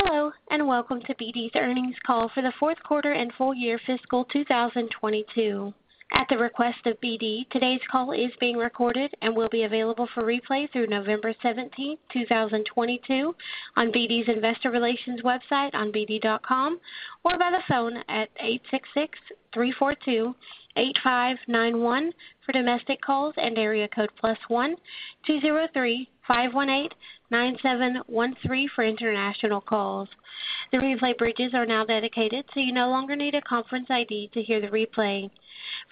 Hello, and welcome to BD's Earnings Call for the Q4 and full year fiscal 2022. At the request of BD, today's call is being recorded and will be available for replay through November 17, 2022 on BD's Investor Relations website on bd.com, or by phone at 866-342-8591 for domestic calls and area code +1-203-518-9713 for international calls. The replay bridges are now dedicated, so you no longer need a conference ID to hear the replay.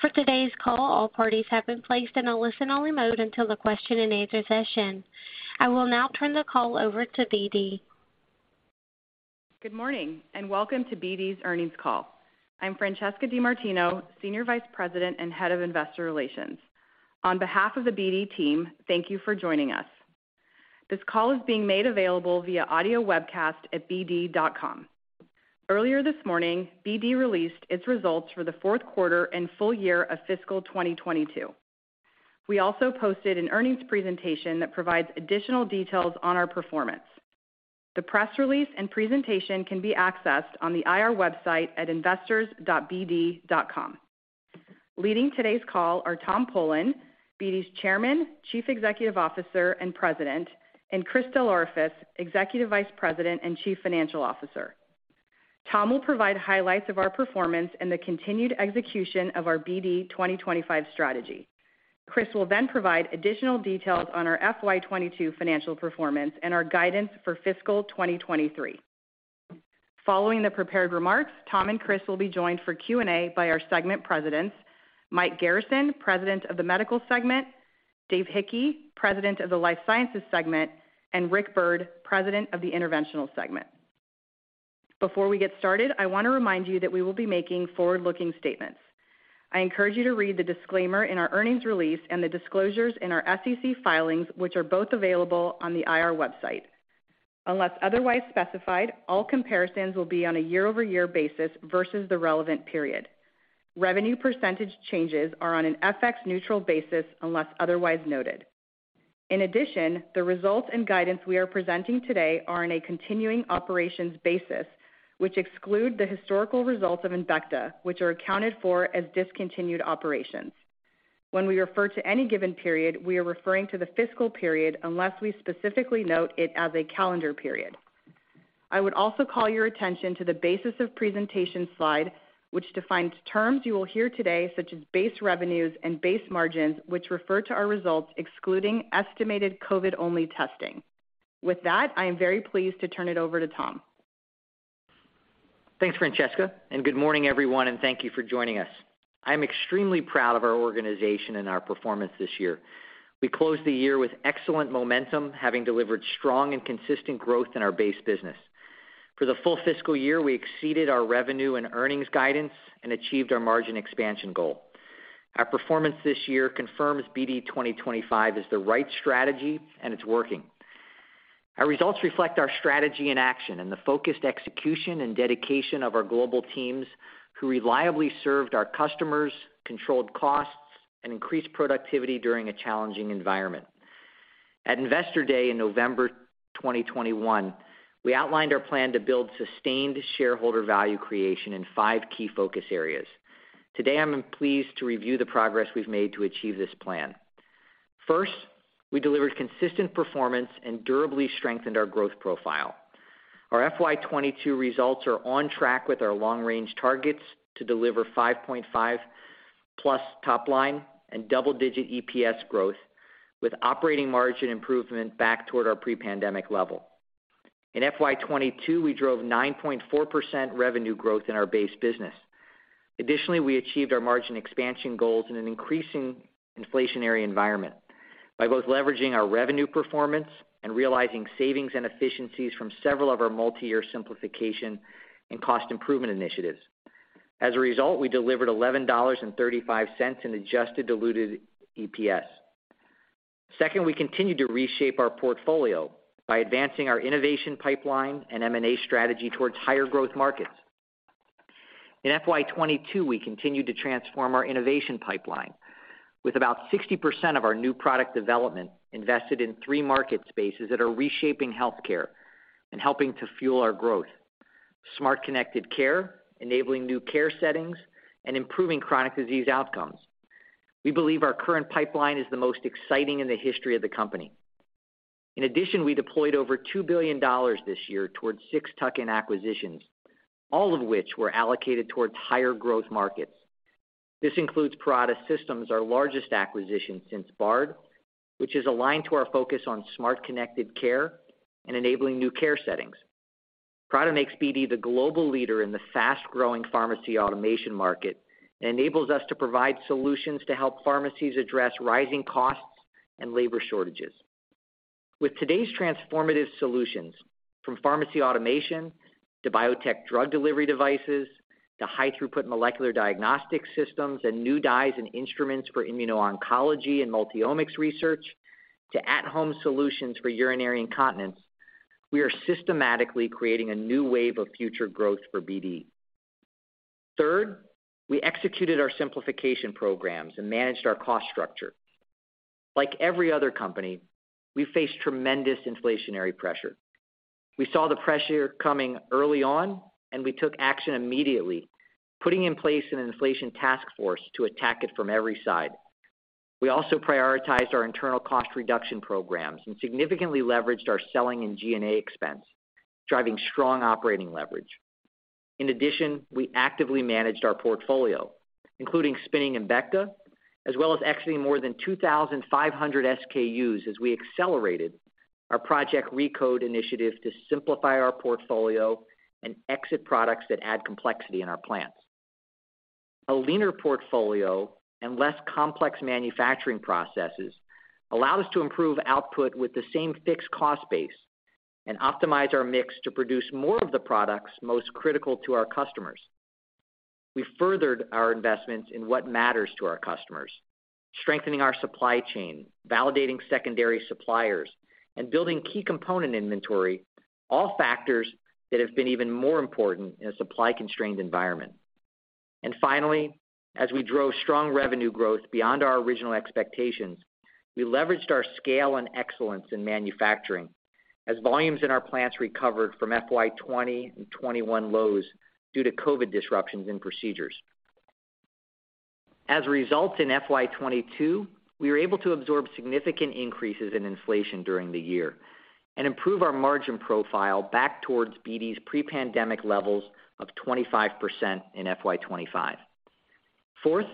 For today's call, all parties have been placed in a listen-only mode until the question and answer session. I will now turn the call over to BD. Good morning, and welcome to BD's earnings call. I'm Francesca DeMartino, Senior Vice President and Head of Investor Relations. On behalf of the BD team, thank you for joining us. This call is being made available via audio webcast at bd.com. Earlier this morning, BD released its results for the Q4 and full year of fiscal 2022. We also posted an earnings presentation that provides additional details on our performance. The press release and presentation can be accessed on the IR website at investors.bd.com. Leading today's call are Tom Polen, BD's Chairman, Chief Executive Officer, and President, and Chris DelOrefice, Executive Vice President and Chief Financial Officer. Tom will provide highlights of our performance and the continued execution of our BD 2025 strategy. Chris will then provide additional details on our FY 2022 financial performance and our guidance for fiscal 2023. Following the prepared remarks, Tom and Chris will be joined for Q&A by our segment presidents, Mike Garrison, President of the Medical Segment, Dave Hickey, President of the Life Sciences Segment, and Rick Byrd, President of the Interventional Segment. Before we get started, I want to remind you that we will be making forward-looking statements. I encourage you to read the disclaimer in our earnings release and the disclosures in our SEC filings, which are both available on the IR website. Unless otherwise specified, all comparisons will be on a quarter-over-quarter basis versus the relevant period. Revenue percentage changes are on an FX neutral basis unless otherwise noted. In addition, the results and guidance we are presenting today are on a continuing operations basis, which exclude the historical results of Embecta, which are accounted for as discontinued operations. When we refer to any given period, we are referring to the fiscal period unless we specifically note it as a calendar period. I would also call your attention to the basis of presentation slide, which defines terms you will hear today, such as base revenues and base margins, which refer to our results excluding estimated COVID-only testing. With that, I am very pleased to turn it over to Tom Polen. Thanks, Francesca, and good morning, everyone, and thank you for joining us. I am extremely proud of our organization and our performance this year. We closed the year with excellent momentum, having delivered strong and consistent growth in our base business. For the full fiscal year, we exceeded our revenue and earnings guidance and achieved our margin expansion goal. Our performance this year confirms BD 2025 is the right strategy and it's working. Our results reflect our strategy in action and the focused execution and dedication of our global teams who reliably served our customers, controlled costs, and increased productivity during a challenging environment. At Investor Day in November 2021, we outlined our plan to build sustained shareholder value creation in five key focus areas. Today, I'm pleased to review the progress we've made to achieve this plan. First, we delivered consistent performance and durably strengthened our growth profile. Our FY 2022 results are on track with our long-range targets to deliver 5.5+ top line and double-digit EPS growth, with operating margin improvement back toward our pre-pandemic level. In FY 2022, we drove 9.4% revenue growth in our base business. Additionally, we achieved our margin expansion goals in an increasing inflationary environment by both leveraging our revenue performance and realizing savings and efficiencies from several of our multi-year simplification and cost improvement initiatives. As a result, we delivered $11.35 in adjusted diluted EPS. Second, we continued to reshape our portfolio by advancing our innovation pipeline and M&A strategy towards higher growth markets. In FY 2022, we continued to transform our innovation pipeline with about 60% of our new product development invested in three market spaces that are reshaping healthcare and helping to fuel our growth, smart connected care, enabling new care settings, and improving chronic disease outcomes. We believe our current pipeline is the most exciting in the history of the company. In addition, we deployed over $2 billion this year towards six tuck-in acquisitions, all of which were allocated towards higher growth markets. This includes Parata Systems, our largest acquisition since Bard, which is aligned to our focus on smart connected care and enabling new care settings. Parata makes BD the global leader in the fast-growing pharmacy automation market and enables us to provide solutions to help pharmacies address rising costs and labor shortages. With today's transformative solutions, from pharmacy automation to biotech drug delivery devices, to high-throughput molecular diagnostic systems and new dyes and instruments for immuno-oncology and multi-omics research, to at-home solutions for urinary incontinence, we are systematically creating a new wave of future growth for BD. Third, we executed our simplification programs and managed our cost structure. Like every other company, we faced tremendous inflationary pressure. We saw the pressure coming early on, and we took action immediately, putting in place an inflation task force to attack it from every side. We also prioritized our internal cost reduction programs and significantly leveraged our selling and G&A expense, driving strong operating leverage. In addition, we actively managed our portfolio, including spinning Embecta, as well as exiting more than 2,500 SKUs as we accelerated our Project RECODE initiative to simplify our portfolio and exit products that add complexity in our plants. A leaner portfolio and less complex manufacturing processes allow us to improve output with the same fixed cost base and optimize our mix to produce more of the products most critical to our customers. We furthered our investments in what matters to our customers, strengthening our supply chain, validating secondary suppliers, and building key component inventory, all factors that have been even more important in a supply-constrained environment. Finally, as we drove strong revenue growth beyond our original expectations, we leveraged our scale and excellence in manufacturing as volumes in our plants recovered from FY 2020 and 2021 lows due to COVID disruptions in procedures. As a result, in FY 2022, we were able to absorb significant increases in inflation during the year and improve our margin profile back towards BD's pre-pandemic levels of 25% in FY 2025. Fourth,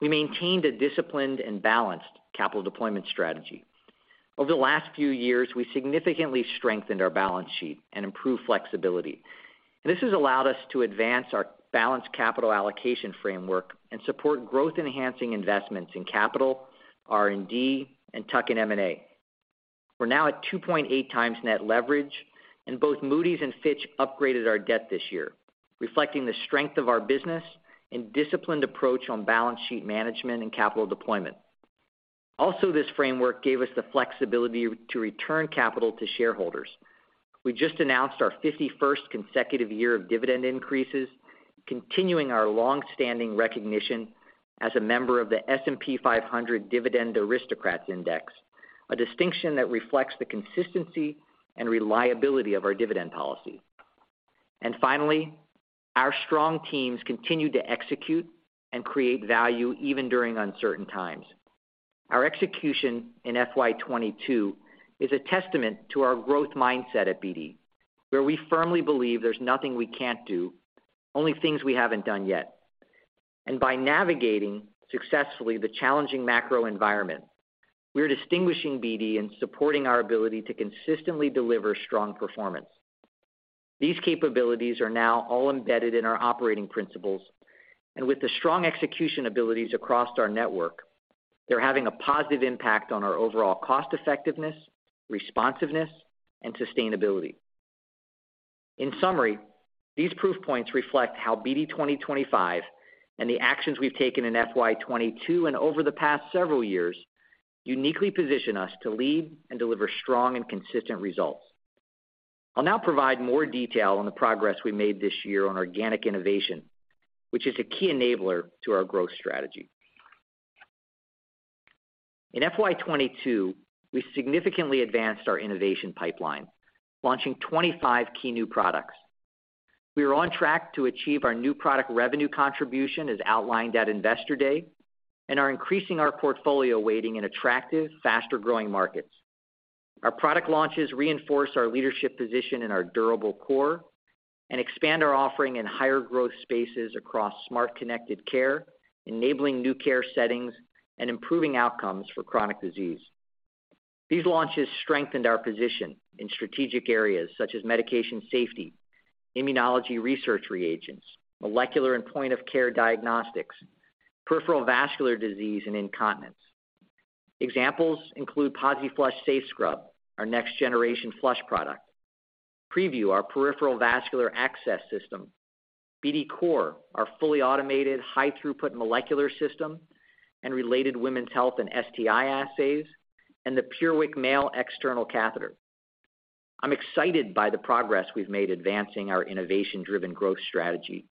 we maintained a disciplined and balanced capital deployment strategy. Over the last few years, we significantly strengthened our balance sheet and improved flexibility. This has allowed us to advance our balanced capital allocation framework and support growth-enhancing investments in capital, R&D, and tuck-in M&A. We're now at 2.8 times net leverage, and both Moody's and Fitch upgraded our debt this year, reflecting the strength of our business and disciplined approach on balance sheet management and capital deployment. Also, this framework gave us the flexibility to return capital to shareholders. We just announced our 51st consecutive year of dividend increases, continuing our long-standing recognition as a member of the S&P 500 Dividend Aristocrats Index, a distinction that reflects the consistency and reliability of our dividend policy. Finally, our strong teams continued to execute and create value even during uncertain times. Our execution in FY 2022 is a testament to our growth mindset at BD, where we firmly believe there's nothing we can't do, only things we haven't done yet. By navigating successfully the challenging macro environment, we are distinguishing BD and supporting our ability to consistently deliver strong performance. These capabilities are now all embedded in our operating principles, and with the strong execution abilities across our network, they're having a positive impact on our overall cost effectiveness, responsiveness, and sustainability. In summary, these proof points reflect how BD 2025 and the actions we've taken in FY 2022 and over the past several years uniquely position us to lead and deliver strong and consistent results. I'll now provide more detail on the progress we made this year on organic innovation, which is a key enabler to our growth strategy. In FY 2022, we significantly advanced our innovation pipeline, launching 25 key new products. We are on track to achieve our new product revenue contribution as outlined at Investor Day and are increasing our portfolio weighting in attractive, faster-growing markets. Our product launches reinforce our leadership position in our durable core and expand our offering in higher growth spaces across smart connected care, enabling new care settings, and improving outcomes for chronic disease. These launches strengthened our position in strategic areas such as medication safety, immunology research reagents, molecular and point-of-care diagnostics, peripheral vascular disease, and incontinence. Examples include PosiFlush SafeScrub, our next generation flush product, Prevue, our peripheral vascular access system, BD COR, our fully automated high-throughput molecular system and related women's health and STI assays, and the PureWick male external catheter. I'm excited by the progress we've made advancing our innovation-driven growth strategy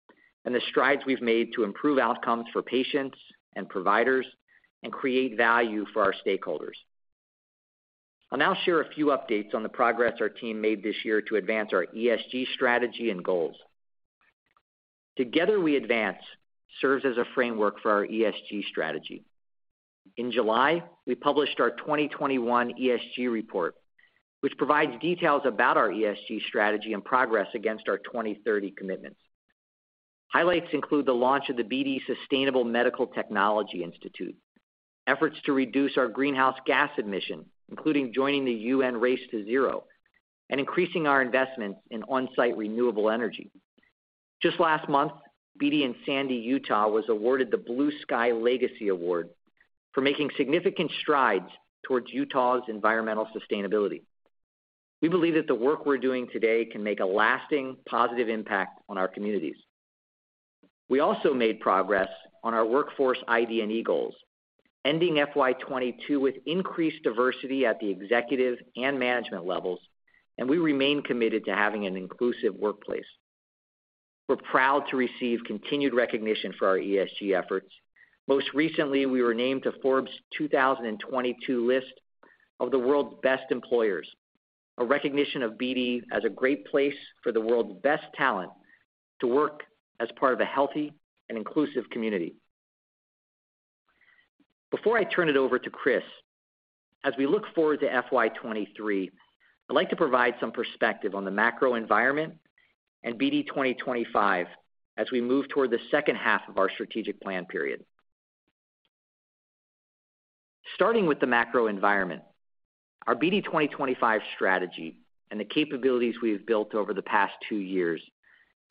and the strides we've made to improve outcomes for patients and providers and create value for our stakeholders. I'll now share a few updates on the progress our team made this year to advance our ESG strategy and goals. Together We Advance serves as a framework for our ESG strategy. In July, we published our 2021 ESG report, which provides details about our ESG strategy and progress against our 2030 commitments. Highlights include the launch of the BD Sustainable Medical Technology Institute, efforts to reduce our greenhouse gas emission, including joining the UN Race to Zero, and increasing our investments in on-site renewable energy. Just last month, BD in Sandy, Utah, was awarded the Blue Sky Legacy Award for making significant strides towards Utah's environmental sustainability. We believe that the work we're doing today can make a lasting, positive impact on our communities. We also made progress on our workforce ID&E goals. Ending FY 2022 with increased diversity at the executive and management levels, and we remain committed to having an inclusive workplace. We're proud to receive continued recognition for our ESG efforts. Most recently, we were named to Forbes' 2022 list of the World's Best Employers, a recognition of BD as a great place for the world's best talent to work as part of a healthy and inclusive community. Before I turn it over to Chris, as we look forward to FY 2023, I'd like to provide some perspective on the macro environment and BD 2025 as we move toward the H2 of our strategic plan period. Starting with the macro environment, our BD 2025 strategy and the capabilities we have built over the past two years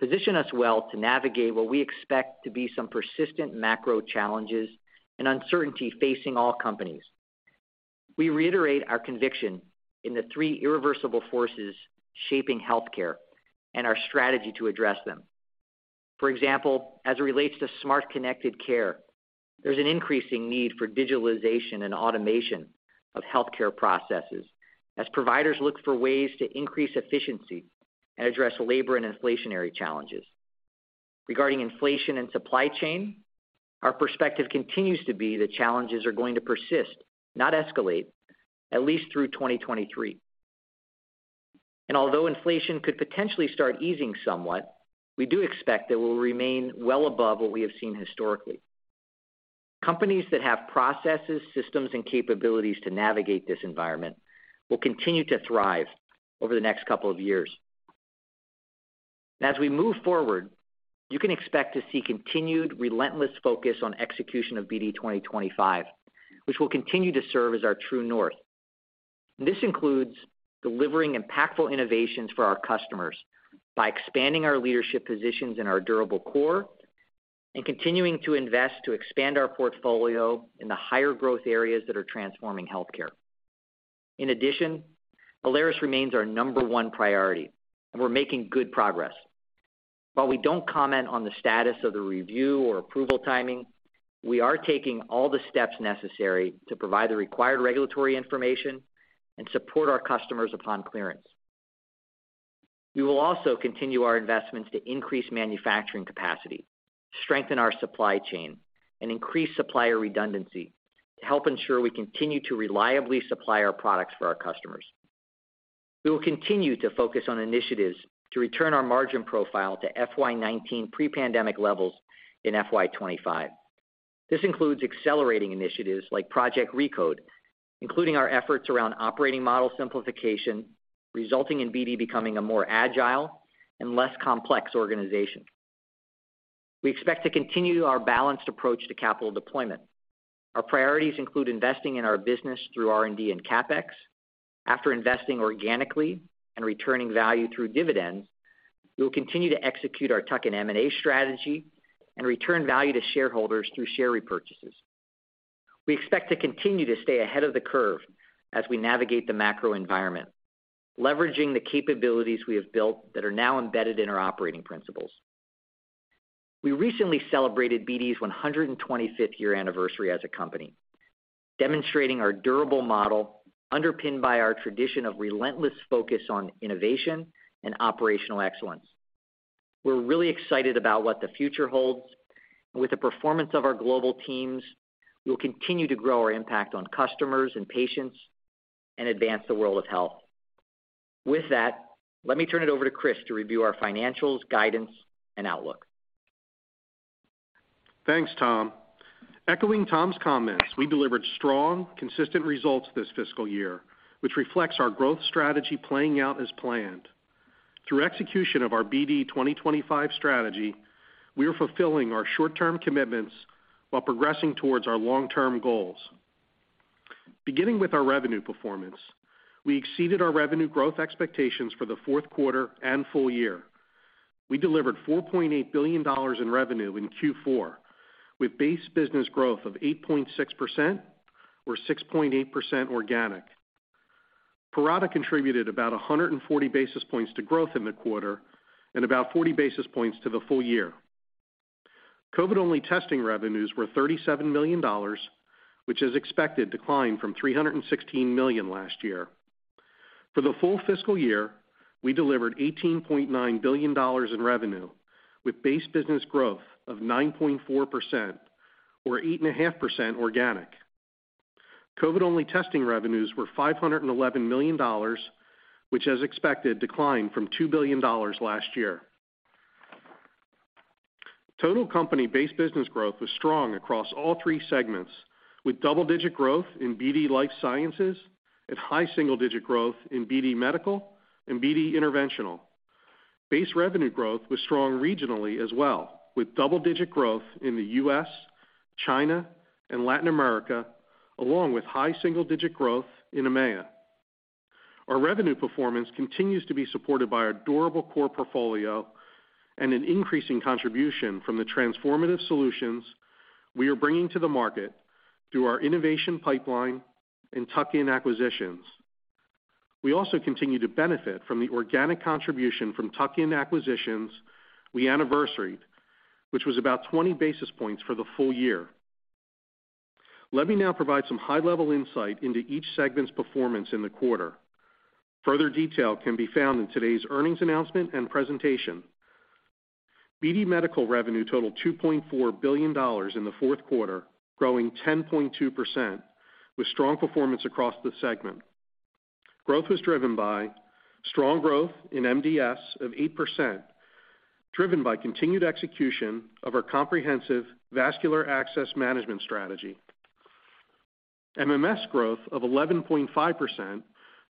position us well to navigate what we expect to be some persistent macro challenges and uncertainty facing all companies. We reiterate our conviction in the three irreversible forces shaping healthcare and our strategy to address them. For example, as it relates to smart connected care, there's an increasing need for digitalization and automation of healthcare processes as providers look for ways to increase efficiency and address labor and inflationary challenges. Regarding inflation and supply chain, our perspective continues to be that challenges are going to persist, not escalate, at least through 2023. Although inflation could potentially start easing somewhat, we do expect that we'll remain well above what we have seen historically. Companies that have processes, systems, and capabilities to navigate this environment will continue to thrive over the next couple of years. As we move forward, you can expect to see continued relentless focus on execution of BD 2025, which will continue to serve as our true north. This includes delivering impactful innovations for our customers by expanding our leadership positions in our durable core and continuing to invest to expand our portfolio in the higher growth areas that are transforming healthcare. In addition, Alaris remains our number one priority, and we're making good progress. While we don't comment on the status of the review or approval timing, we are taking all the steps necessary to provide the required regulatory information and support our customers upon clearance. We will also continue our investments to increase manufacturing capacity, strengthen our supply chain, and increase supplier redundancy to help ensure we continue to reliably supply our products for our customers. We will continue to focus on initiatives to return our margin profile to FY 2019 pre-pandemic levels in FY 2025. This includes accelerating initiatives like Project RECODE, including our efforts around operating model simplification, resulting in BD becoming a more agile and less complex organization. We expect to continue our balanced approach to capital deployment. Our priorities include investing in our business through R&D and CapEx. After investing organically and returning value through dividends, we will continue to execute our tuck-in M&A strategy and return value to shareholders through share repurchases. We expect to continue to stay ahead of the curve as we navigate the macro environment, leveraging the capabilities we have built that are now embedded in our operating principles. We recently celebrated BD's 125th-year anniversary as a company, demonstrating our durable model underpinned by our tradition of relentless focus on innovation and operational excellence. We're really excited about what the future holds. With the performance of our global teams, we will continue to grow our impact on customers and patients and advance the world of health. With that, let me turn it over to Chris to review our financials, guidance, and outlook. Thanks, Tom. Echoing Tom's comments, we delivered strong, consistent results this fiscal year, which reflects our growth strategy playing out as planned. Through execution of our BD 2025 strategy, we are fulfilling our short-term commitments while progressing towards our long-term goals. Beginning with our revenue performance, we exceeded our revenue growth expectations for the Q4 and full year. We delivered $4.8 billion in revenue in Q4, with base business growth of 8.6%, or 6.8% organic. Parata contributed about 140 basis points to growth in the quarter and about 40 basis points to the full year. COVID-only testing revenues were $37 million, which is expected decline from $316 million last year. For the full fiscal year, we delivered $18.9 billion in revenue, with base business growth of 9.4%, or 8.5% organic. COVID-only testing revenues were $511 million, which, as expected, declined from $2 billion last year. Total company base business growth was strong across all three segments, with double-digit growth in BD Life Sciences and high single-digit growth in BD Medical and BD Interventional. Base revenue growth was strong regionally as well, with double-digit growth in the U.S., China, and Latin America, along with high single-digit growth in EMEA. Our revenue performance continues to be supported by our durable core portfolio and an increasing contribution from the transformative solutions we are bringing to the market through our innovation pipeline and tuck-in acquisitions. We also continue to benefit from the organic contribution from tuck-in acquisitions we anniversaried, which was about 20 basis points for the full year. Let me now provide some high-level insight into each segment's performance in the quarter. Further detail can be found in today's earnings announcement and presentation. BD Medical revenue totaled $2.4 billion in the Q4, growing 10.2%, with strong performance across the segment. Growth was driven by strong growth in MDS of 8%, driven by continued execution of our comprehensive vascular access management strategy. MMS growth of 11.5%,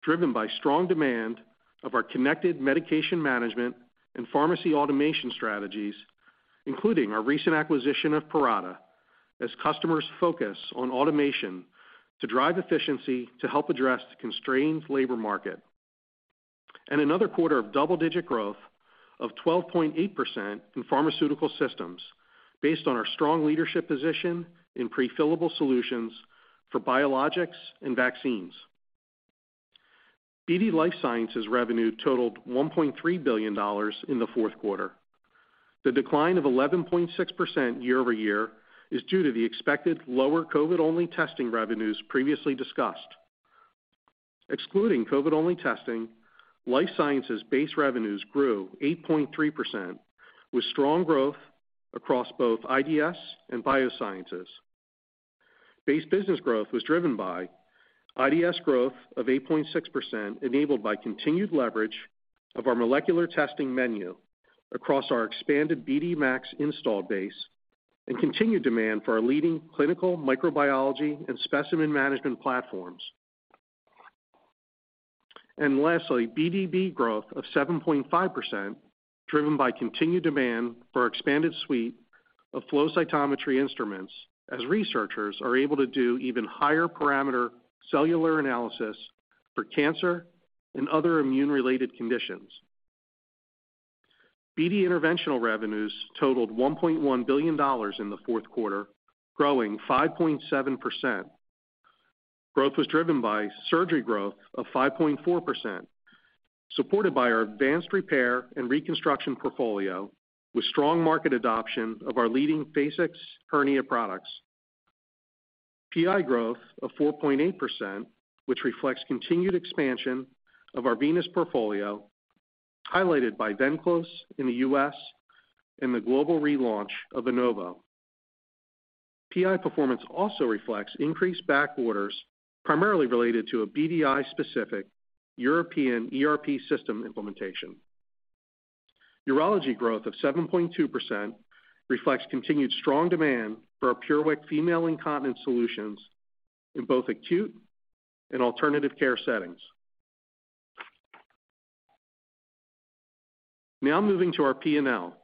driven by strong demand of our connected medication management and pharmacy automation strategies, including our recent acquisition of Parata, as customers focus on automation to drive efficiency to help address the constrained labor market. Another quarter of double-digit growth of 12.8% in pharmaceutical systems based on our strong leadership position in prefillable solutions for biologics and vaccines. BD Life Sciences revenue totaled $1.3 billion in the Q4. The decline of 11.6% quarter-over-quarter is due to the expected lower COVID-only testing revenues previously discussed. Excluding COVID-only testing, Life Sciences base revenues grew 8.3%, with strong growth across both IDS and Biosciences. Base business growth was driven by IDS growth of 8.6%, enabled by continued leverage of our molecular testing menu across our expanded BD MAX install base and continued demand for our leading clinical microbiology and specimen management platforms. Lastly, BDB growth of 7.5%, driven by continued demand for our expanded suite of flow cytometry instruments as researchers are able to do even higher parameter cellular analysis for cancer and other immune-related conditions. BD Interventional revenues totaled $1.1 billion in the Q4, growing 5.7%. Growth was driven by surgery growth of 5.4%, supported by our advanced repair and reconstruction portfolio with strong market adoption of our leading Phasix hernia products. Interventional growth of 4.8%, which reflects continued expansion of our venous portfolio, highlighted by Venclose in the US and the global relaunch of Venovo. Interventional performance also reflects increased backorders primarily related to a BDI-specific European ERP system implementation. Urology growth of 7.2% reflects continued strong demand for our PureWick female incontinence solutions in both acute and alternative care settings. Now moving to our P&L.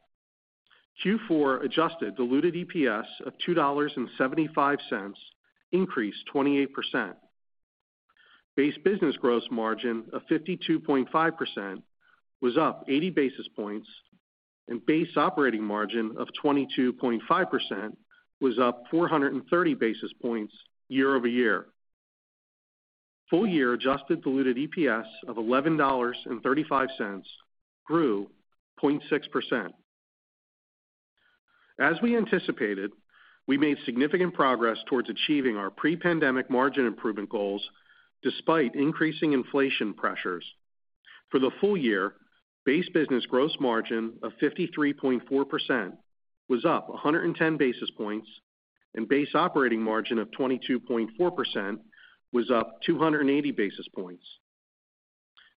Q4 adjusted diluted EPS of $2.75 increased 28%. Base business gross margin of 52.5% was up 80 basis points, and base operating margin of 22.5% was up 430 basis points quarter-over-quarter. Full year adjusted diluted EPS of $11.35 grew 0.6%. As we anticipated, we made significant progress towards achieving our pre-pandemic margin improvement goals despite increasing inflation pressures. For the full year, base business gross margin of 53.4% was up 110 basis points, and base operating margin of 22.4% was up 280 basis points.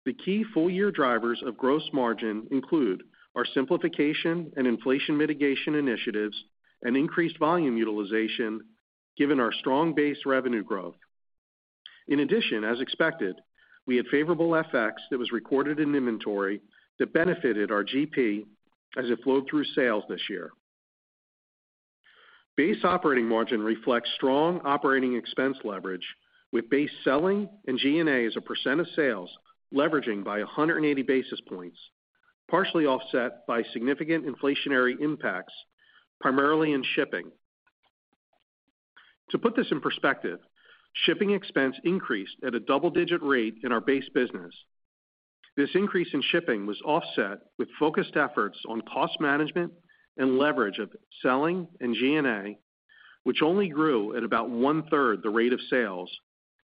The key full-year drivers of gross margin include our simplification and inflation mitigation initiatives and increased volume utilization given our strong base revenue growth. In addition, as expected, we had favorable FX that was recorded in inventory that benefited our GP as it flowed through sales this year. Base operating margin reflects strong operating expense leverage with base selling and G&A as a percent of sales leveraging by 180 basis points, partially offset by significant inflationary impacts, primarily in shipping. To put this in perspective, shipping expense increased at a double-digit rate in our base business. This increase in shipping was offset with focused efforts on cost management and leverage of selling and G&A, which only grew at about one-third the rate of sales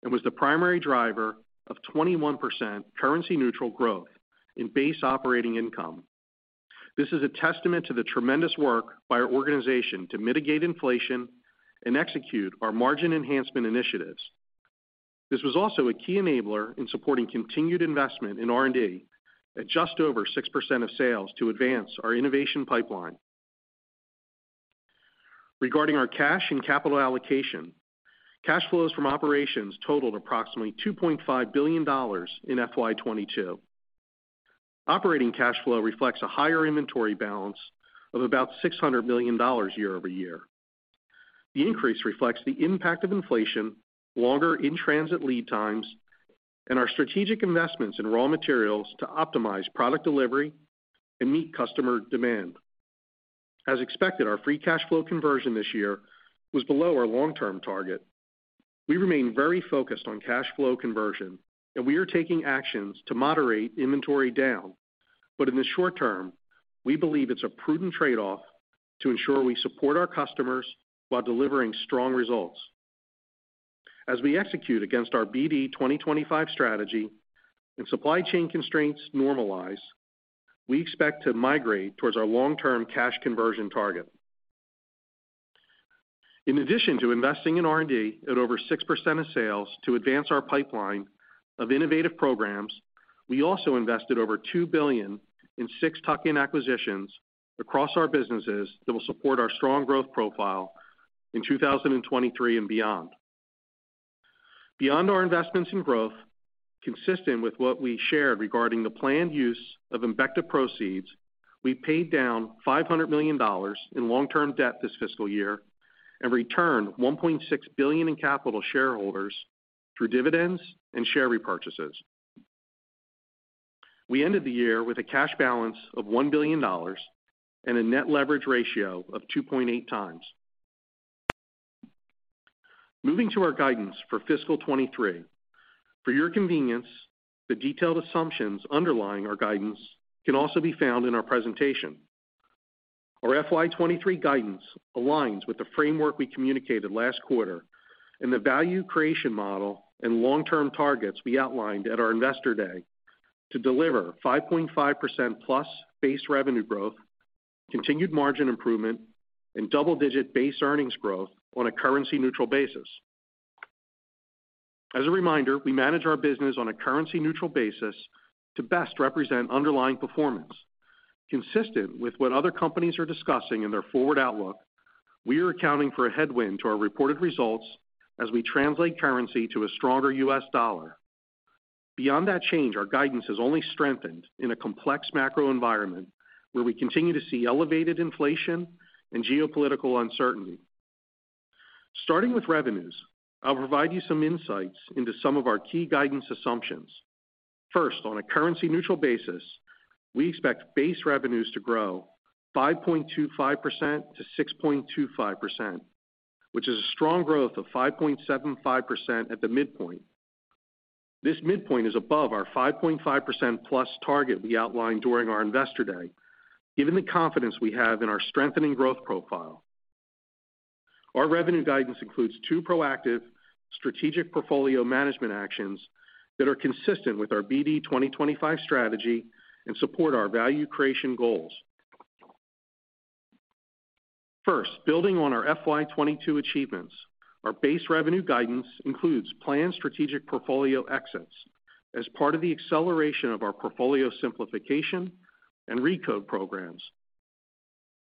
and was the primary driver of 21% currency neutral growth in base operating income. This is a testament to the tremendous work by our organization to mitigate inflation and execute our margin enhancement initiatives. This was also a key enabler in supporting continued investment in R&D at just over 6% of sales to advance our innovation pipeline. Regarding our cash and capital allocation, cash flows from operations totaled approximately $2.5 billion in FY 2022. Operating cash flow reflects a higher inventory balance of about $600 million quarter-over-quarter. The increase reflects the impact of inflation, longer in-transit lead times, and our strategic investments in raw materials to optimize product delivery and meet customer demand. As expected, our free cash flow conversion this year was below our long-term target. We remain very focused on cash flow conversion, and we are taking actions to moderate inventory down. In the short term, we believe it's a prudent trade-off to ensure we support our customers while delivering strong results. As we execute against our BD 2025 strategy and supply chain constraints normalize, we expect to migrate towards our long-term cash conversion target. In addition to investing in R&D at over 6% of sales to advance our pipeline of innovative programs, we also invested over $2 billion in six tuck-in acquisitions across our businesses that will support our strong growth profile in 2023 and beyond. Beyond our investments in growth, consistent with what we shared regarding the planned use of Embecta proceeds, we paid down $500 million in long-term debt this fiscal year and returned $1.6 billion in capital to shareholders through dividends and share repurchases. We ended the year with a cash balance of $1 billion and a net leverage ratio of 2.8 times. Moving to our guidance for fiscal 2023. For your convenience, the detailed assumptions underlying our guidance can also be found in our presentation. Our FY23 guidance aligns with the framework we communicated last quarter and the value creation model and long-term targets we outlined at our Investor Day to deliver 5.5%+ base revenue growth, continued margin improvement, and double-digit base earnings growth on a currency-neutral basis. As a reminder, we manage our business on a currency-neutral basis to best represent underlying performance. Consistent with what other companies are discussing in their forward outlook, we are accounting for a headwind to our reported results as we translate currency to a stronger US dollar. Beyond that change, our guidance has only strengthened in a complex macro environment where we continue to see elevated inflation and geopolitical uncertainty. Starting with revenues, I'll provide you some insights into some of our key guidance assumptions. First, on a currency-neutral basis, we expect base revenues to grow 5.25%-6.25%, which is a strong growth of 5.75% at the midpoint. This midpoint is above our 5.5%+ target we outlined during our Investor Day, given the confidence we have in our strengthening growth profile. Our revenue guidance includes two proactive strategic portfolio management actions that are consistent with our BD 2025 strategy and support our value creation goals. First, building on our FY22 achievements, our base revenue guidance includes planned strategic portfolio exits as part of the acceleration of our portfolio simplification and RECODE programs.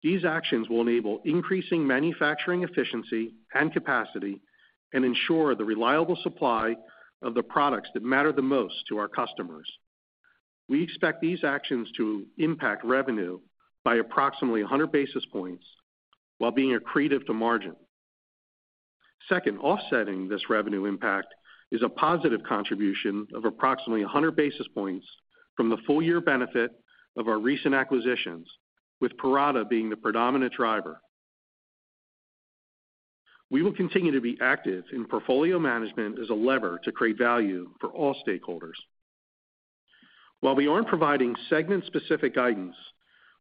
These actions will enable increasing manufacturing efficiency and capacity and ensure the reliable supply of the products that matter the most to our customers. We expect these actions to impact revenue by approximately 100 basis points while being accretive to margin. Second, offsetting this revenue impact is a positive contribution of approximately 100 basis points from the full-year benefit of our recent acquisitions, with Parata being the predominant driver. We will continue to be active in portfolio management as a lever to create value for all stakeholders. While we aren't providing segment-specific guidance,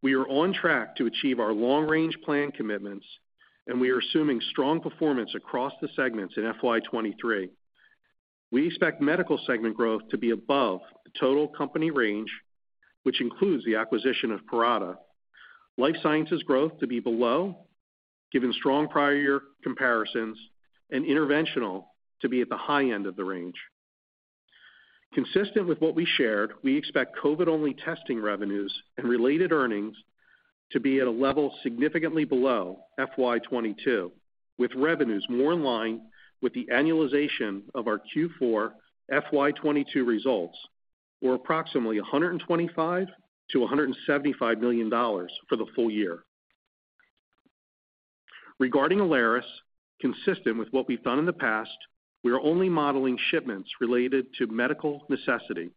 we are on track to achieve our long-range plan commitments, and we are assuming strong performance across the segments in FY23. We expect Medical segment growth to be above the total company range, which includes the acquisition of Parata. Life Sciences growth to be below, given strong prior year comparisons, and Interventional to be at the high end of the range. Consistent with what we shared, we expect COVID-only testing revenues and related earnings to be at a level significantly below FY22, with revenues more in line with the annualization of our Q4 FY22 results, or approximately $125 million-$175 million for the full year. Regarding Alaris, consistent with what we've done in the past, we are only modeling shipments related to medical necessity.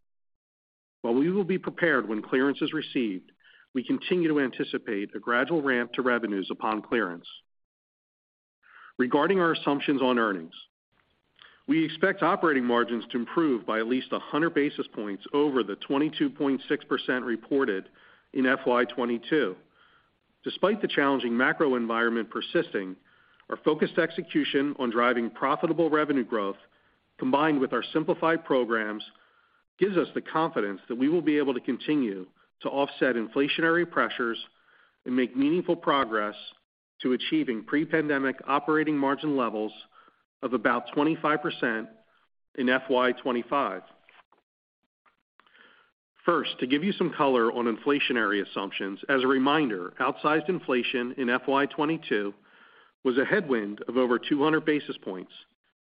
While we will be prepared when clearance is received, we continue to anticipate a gradual ramp to revenues upon clearance. Regarding our assumptions on earnings, we expect operating margins to improve by at least 100 basis points over the 22.6% reported in FY22. Despite the challenging macro environment persisting, our focused execution on driving profitable revenue growth, combined with our simplified programs, gives us the confidence that we will be able to continue to offset inflationary pressures and make meaningful progress to achieving pre-pandemic operating margin levels of about 25% in FY25. First, to give you some color on inflationary assumptions, as a reminder, outsized inflation in FY22 was a headwind of over 200 basis points,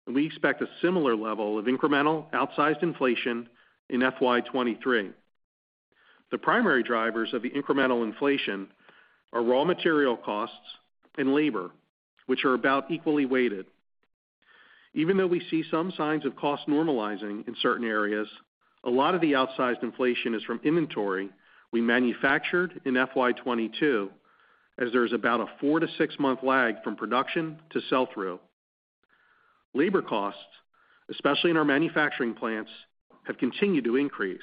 and we expect a similar level of incremental outsized inflation in FY23. The primary drivers of the incremental inflation are raw material costs and labor, which are about equally weighted. Even though we see some signs of cost normalizing in certain areas, a lot of the outsized inflation is from inventory we manufactured in FY 2022, as there is about a four to six month lag from production to sell-through. Labor costs, especially in our manufacturing plants, have continued to increase.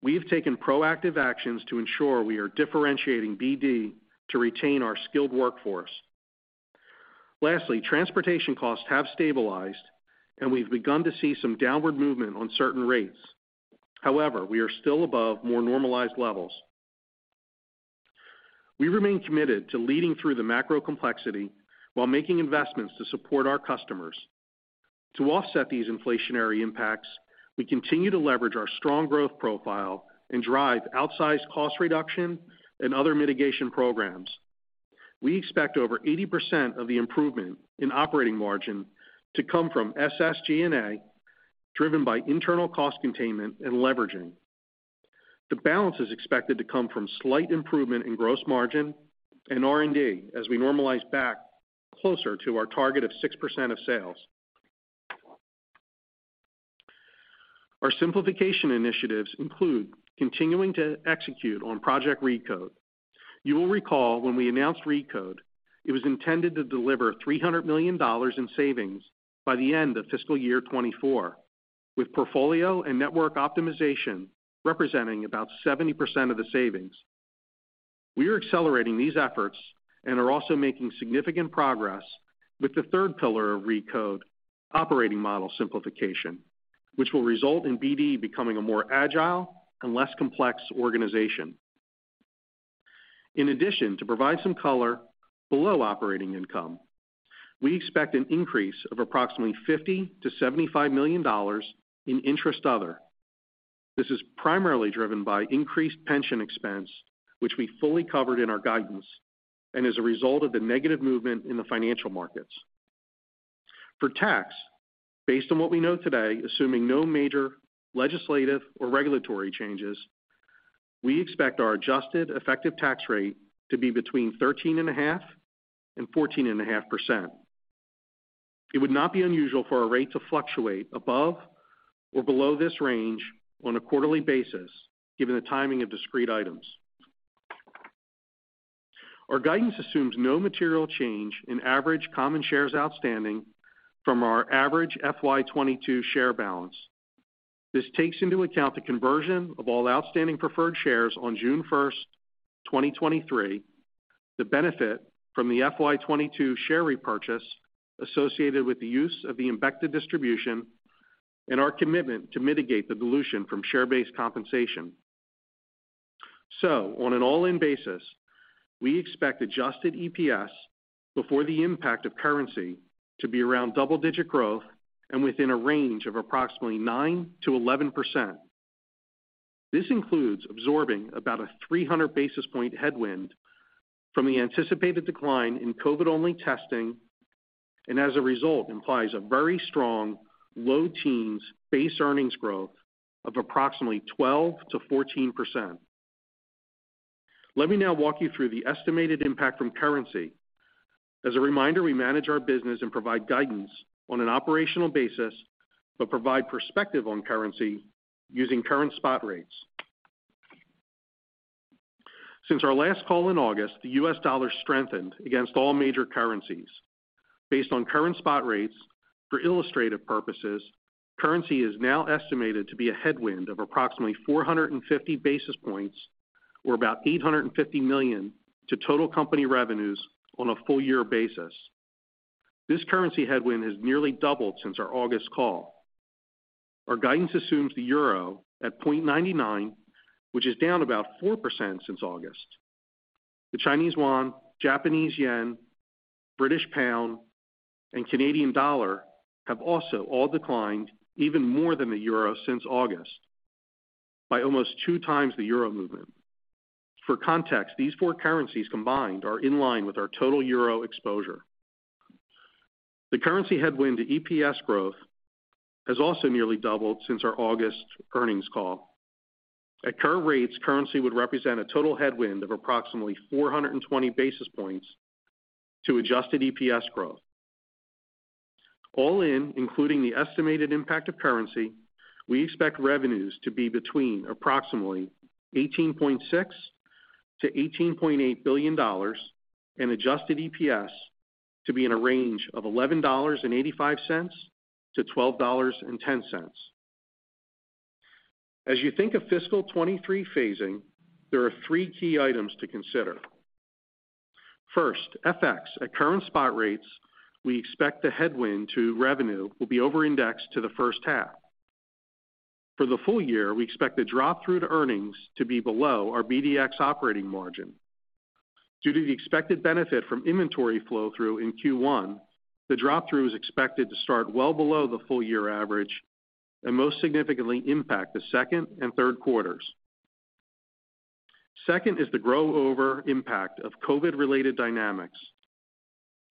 We have taken proactive actions to ensure we are differentiating BD to retain our skilled workforce. Lastly, transportation costs have stabilized and we've begun to see some downward movement on certain rates. However, we are still above more normalized levels. We remain committed to leading through the macro complexity while making investments to support our customers. To offset these inflationary impacts, we continue to leverage our strong growth profile and drive outsized cost reduction and other mitigation programs. We expect over 80% of the improvement in operating margin to come from SG&A, driven by internal cost containment and leveraging. The balance is expected to come from slight improvement in gross margin and R&D as we normalize back closer to our target of 6% of sales. Our simplification initiatives include continuing to execute on Project RECODE. You will recall when we announced RECODE, it was intended to deliver $300 million in savings by the end of fiscal year 2024, with portfolio and network optimization representing about 70% of the savings. We are accelerating these efforts and are also making significant progress with the third pillar of RECODE operating model simplification, which will result in BD becoming a more agile and less complex organization. In addition, to provide some color below operating income, we expect an increase of approximately $50-$75 million in interest and other. This is primarily driven by increased pension expense, which we fully covered in our guidance, and as a result of the negative movement in the financial markets. For tax, based on what we know today, assuming no major legislative or regulatory changes, we expect our adjusted effective tax rate to be between 13.5% and 14.5%. It would not be unusual for our rate to fluctuate above or below this range on a quarterly basis, given the timing of discrete items. Our guidance assumes no material change in average common shares outstanding from our average FY 2022 share balance. This takes into account the conversion of all outstanding preferred shares on June one, 2023, the benefit from the FY 2022 share repurchase associated with the use of the Embecta distribution, and our commitment to mitigate the dilution from share-based compensation. On an all-in basis, we expect adjusted EPS before the impact of currency to be around double-digit growth and within a range of approximately 9%-11%. This includes absorbing about a 300 basis point headwind from the anticipated decline in COVID-only testing, and as a result, implies a very strong low teens base earnings growth of approximately 12%-14%. Let me now walk you through the estimated impact from currency. As a reminder, we manage our business and provide guidance on an operational basis, but provide perspective on currency using current spot rates. Since our last call in August, the US dollar strengthened against all major currencies. Based on current spot rates for illustrative purposes, currency is now estimated to be a headwind of approximately 450 basis points or about $850 million to total company revenues on a full year basis. This currency headwind has nearly doubled since our August call. Our guidance assumes the euro at 0.99, which is down about 4% since August. The Chinese yuan, Japanese yen, British pound, and Canadian dollar have also all declined even more than the euro since August by almost two times the euro movement. For context, these four currencies combined are in line with our total euro exposure. The currency headwind to EPS growth has also nearly doubled since our August earnings call. At current rates, currency would represent a total headwind of approximately 420 basis points to adjusted EPS growth. All in, including the estimated impact of currency, we expect revenues to be between approximately $18.6-$18.8 billion and adjusted EPS to be in a range of $11.85-$12.10. As you think of fiscal 2023 phasing, there are three key items to consider. First, FX. At current spot rates, we expect the headwind to revenue will be over-indexed to the H1. For the full year, we expect the drop-through to earnings to be below our BDX operating margin. Due to the expected benefit from inventory flow-through in Q1, the drop-through is expected to start well below the full year average and most significantly impact the second and Q3s. Second is the hangover impact of COVID-related dynamics.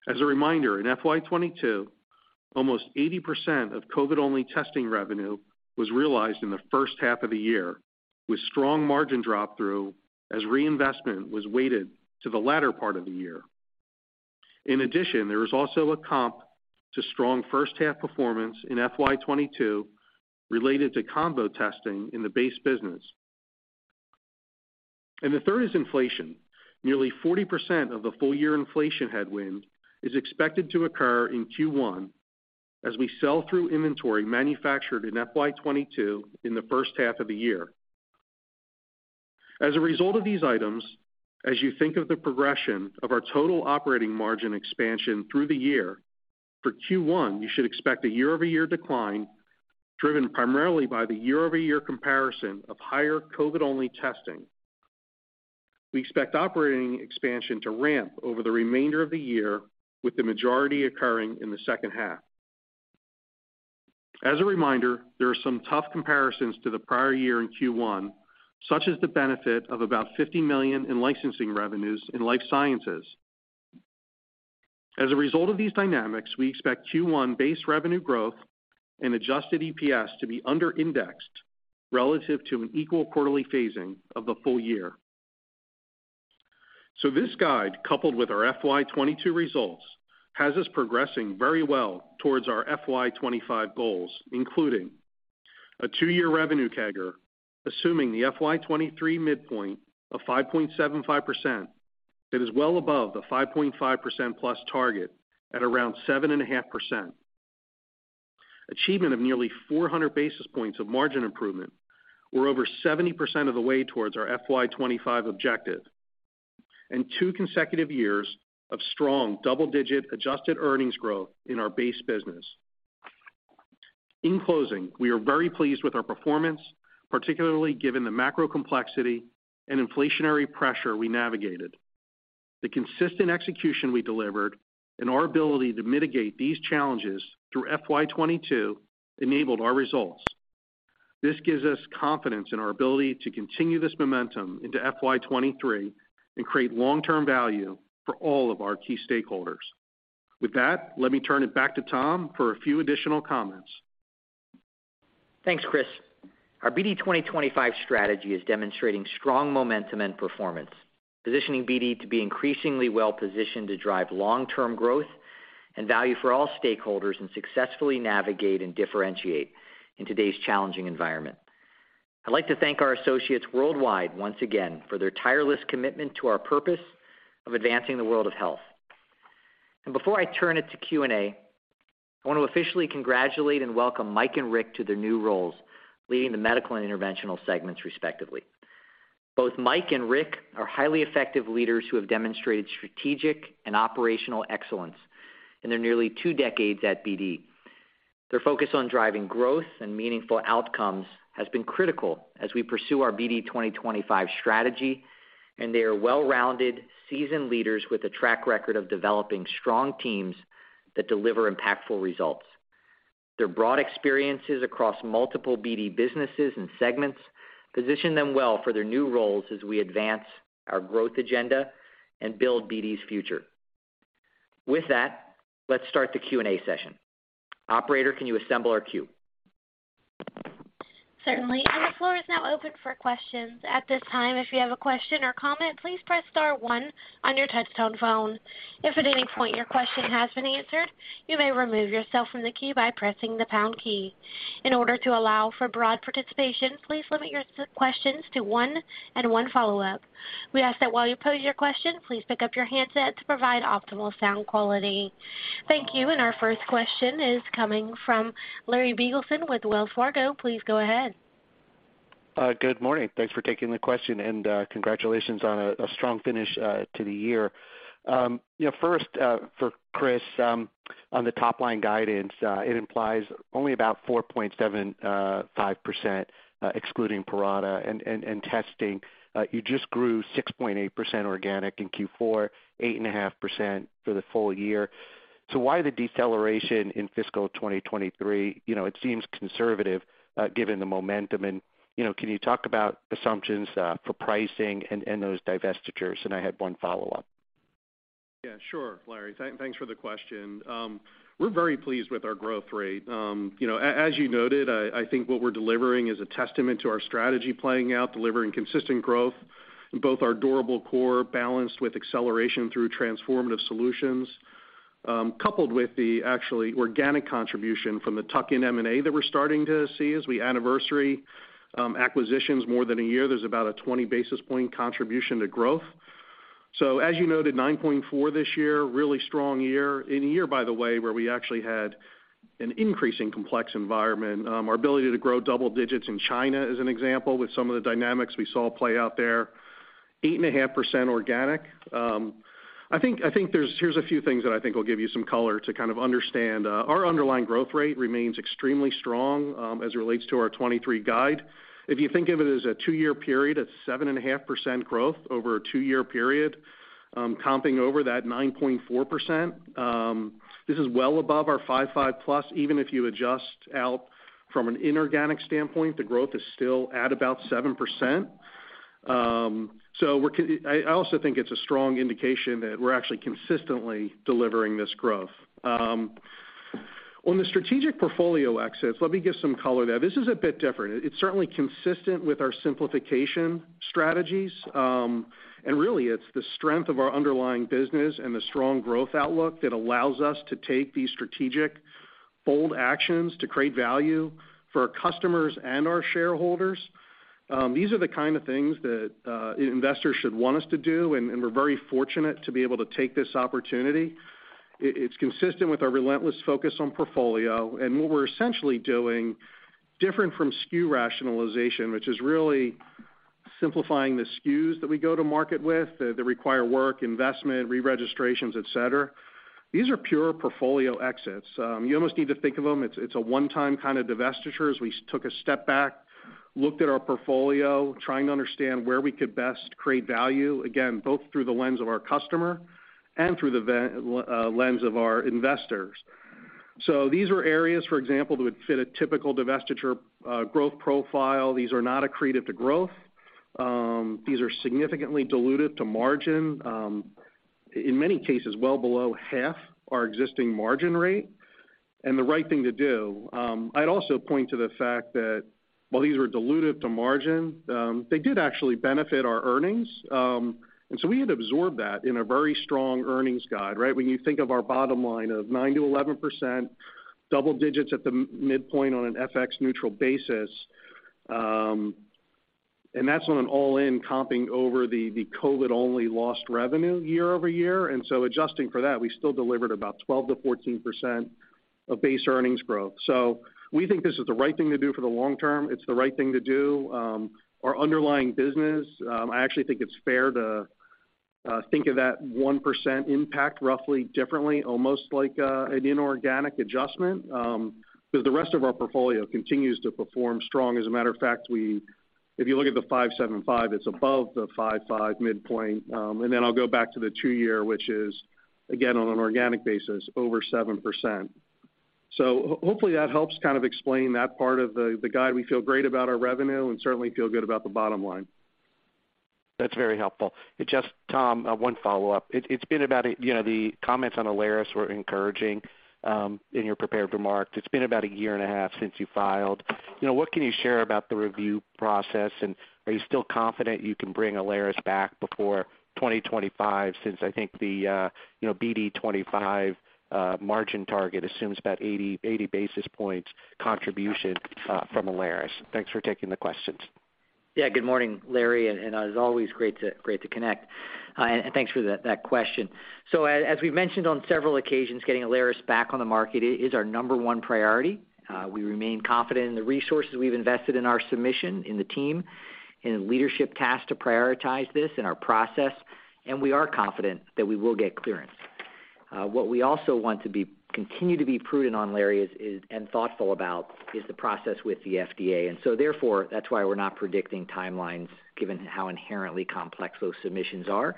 As a reminder, in FY 2022, almost 80% of COVID-only testing revenue was realized in the H1 of the year. With strong margin drop-through as reinvestment was weighted to the latter part of the year. In addition, there is also a comp to strong H1 performance in FY 2022 related to combo testing in the base business. The third is inflation. Nearly 40% of the full-year inflation headwind is expected to occur in Q1 as we sell through inventory manufactured in FY 2022 in the H1 of the year. As a result of these items, as you think of the progression of our total operating margin expansion through the year, for Q1, you should expect a quarter-over-quarter decline, driven primarily by the quarter-over-quarter comparison of higher COVID-only testing. We expect operating expansion to ramp over the remainder of the year, with the majority occurring in the H2. As a reminder, there are some tough comparisons to the prior year in Q1, such as the benefit of about $50 million in licensing revenues in Life Sciences. As a result of these dynamics, we expect Q1 base revenue growth and adjusted EPS to be under-indexed relative to an equal quarterly phasing of the full year. This guide, coupled with our FY 2022 results, has us progressing very well towards our FY 2025 goals, including a two-year revenue CAGR, assuming the FY 2023 midpoint of 5.75%. It is well above the 5.5%+ target at around 7.5%. Achievement of nearly 400 basis points of margin improvement. We're over 70% of the way towards our FY 2025 objective. Two consecutive years of strong double-digit adjusted earnings growth in our base business. In closing, we are very pleased with our performance, particularly given the macro complexity and inflationary pressure we navigated. The consistent execution we delivered and our ability to mitigate these challenges through FY 2022 enabled our results. This gives us confidence in our ability to continue this momentum into FY 2023 and create long-term value for all of our key stakeholders. With that, let me turn it back to Tom for a few additional comments. Thanks, Chris. Our BD 2025 strategy is demonstrating strong momentum and performance, positioning BD to be increasingly well-positioned to drive long-term growth and value for all stakeholders and successfully navigate and differentiate in today's challenging environment. I'd like to thank our associates worldwide once again for their tireless commitment to our purpose of advancing the world of health. Before I turn it to Q&A, I want to officially congratulate and welcome Mike and Rick to their new roles, leading the Medical and Interventional segments, respectively. Both Mike and Rick are highly effective leaders who have demonstrated strategic and operational excellence in their nearly two decades at BD. Their focus on driving growth and meaningful outcomes has been critical as we pursue our BD 2025 strategy, and they are well-rounded, seasoned leaders with a track record of developing strong teams that deliver impactful results. Their broad experiences across multiple BD businesses and segments position them well for their new roles as we advance our growth agenda and build BD's future. With that, let's start the Q&A session. Operator, can you assemble our queue? Certainly. The floor is now open for questions. At this time, if you have a question or comment, please press star one on your touch tone phone. If at any point your question has been answered, you may remove yourself from the queue by pressing the pound key. In order to allow for broad participation, please limit your questions to one and one follow-up. We ask that while you pose your question, please pick up your handset to provide optimal sound quality. Thank you. Our first question is coming from Larry Biegelsen with Wells Fargo. Please go ahead. Good morning. Thanks for taking the question, and congratulations on a strong finish to the year. You know, first, for Chris, on the top line guidance, it implies only about 4.75%, excluding Parata and testing. You just grew 6.8% organic in Q4, 8.5% for the full year. Why the deceleration in fiscal 2023? You know, it seems conservative, given the momentum. You know, can you talk about assumptions for pricing and those divestitures? I had one follow-up. Yeah, sure, Larry. Thanks for the question. We're very pleased with our growth rate. You know, as you noted, I think what we're delivering is a testament to our strategy playing out, delivering consistent growth in both our durable core balanced with acceleration through transformative solutions, coupled with the actually organic contribution from the tuck-in M&A that we're starting to see as we anniversary acquisitions more than a year. There's about a 20 basis point contribution to growth. As you noted, 9.4% this year, really strong year. In a year, by the way, where we actually had an increasingly complex environment. Our ability to grow double digits in China as an example, with some of the dynamics we saw play out there. 8.5% organic. Here's a few things that I think will give you some color to kind of understand. Our underlying growth rate remains extremely strong, as it relates to our 2023 guide. If you think of it as a two-year period at 7.5% growth over a two-year period, comping over that 9.4%, this is well above our 5-5+. Even if you adjust out from an inorganic standpoint, the growth is still at about 7%. I also think it's a strong indication that we're actually consistently delivering this growth. On the strategic portfolio exits, let me give some color there. This is a bit different. It's certainly consistent with our simplification strategies. Really it's the strength of our underlying business and the strong growth outlook that allows us to take these strategic bold actions to create value for our customers and our shareholders. These are the kind of things that investors should want us to do, and we're very fortunate to be able to take this opportunity. It's consistent with our relentless focus on portfolio and what we're essentially doing different from SKU rationalization, which is really simplifying the SKUs that we go to market with, that require work, investment, re-registrations, et cetera. These are pure portfolio exits. You almost need to think of them, it's a one-time kind of divestiture, as we took a step back, looked at our portfolio, trying to understand where we could best create value, again, both through the lens of our customer and through the lens of our investors. These were areas, for example, that would fit a typical divestiture growth profile. These are not accretive to growth. These are significantly dilutive to margin, in many cases well below half our existing margin rate and the right thing to do. I'd also point to the fact that while these were dilutive to margin, they did actually benefit our earnings. We had absorbed that in a very strong earnings guide, right? When you think of our bottom line of 9%-11%, double digits at the midpoint on an FX-neutral basis, and that's on an all-in comping over the COVID-only lost revenue quarter-over-quarter. Adjusting for that, we still delivered about 12%-14% of base earnings growth. We think this is the right thing to do for the long term. It's the right thing to do. Our underlying business, I actually think it's fair to think of that 1% impact roughly differently, almost like an inorganic adjustment, because the rest of our portfolio continues to perform strong. As a matter of fact, if you look at the 575, it's above the 55 midpoint. I'll go back to the two-year, which is again, on an organic basis over 7%. Hopefully that helps kind of explain that part of the guide. We feel great about our revenue and certainly feel good about the bottom line. That's very helpful. Just, Tom, one follow-up. You know, the comments on Alaris were encouraging in your prepared remarks. It's been about a year and a half since you filed. You know, what can you share about the review process, and are you still confident you can bring Alaris back before 2025, since I think the you know, BD 2025 margin target assumes about 80 basis points contribution from Alaris? Thanks for taking the questions. Yeah, good morning, Larry, and as always, great to connect. And thanks for that question. So as we've mentioned on several occasions, getting Alaris back on the market is our number 1 priority. We remain confident in the resources we've invested in our submission, in the team, in leadership tasked to prioritize this in our process, and we are confident that we will get clearance. What we also want to continue to be prudent on, Larry, is and thoughtful about the process with the FDA. That's why we're not predicting timelines given how inherently complex those submissions are.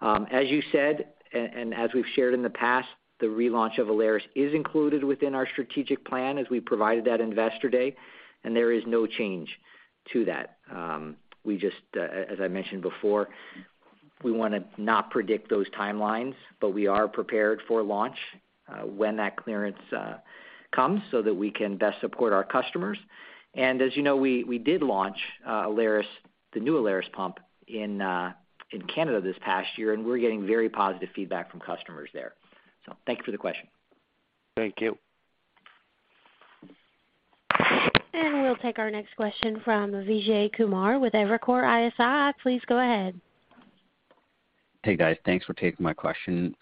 As you said, and as we've shared in the past, the relaunch of Alaris is included within our strategic plan as we provided at Investor Day, and there is no change to that. We just, as I mentioned before, we wanna not predict those timelines, but we are prepared for launch, when that clearance comes so that we can best support our customers. As you know, we did launch Alaris, the new Alaris pump in Canada this past year, and we're getting very positive feedback from customers there. Thank you for the question. Thank you. We'll take our next question from Vijay Kumar with Evercore ISI. Please go ahead. Hey, guys. Thanks for taking my question.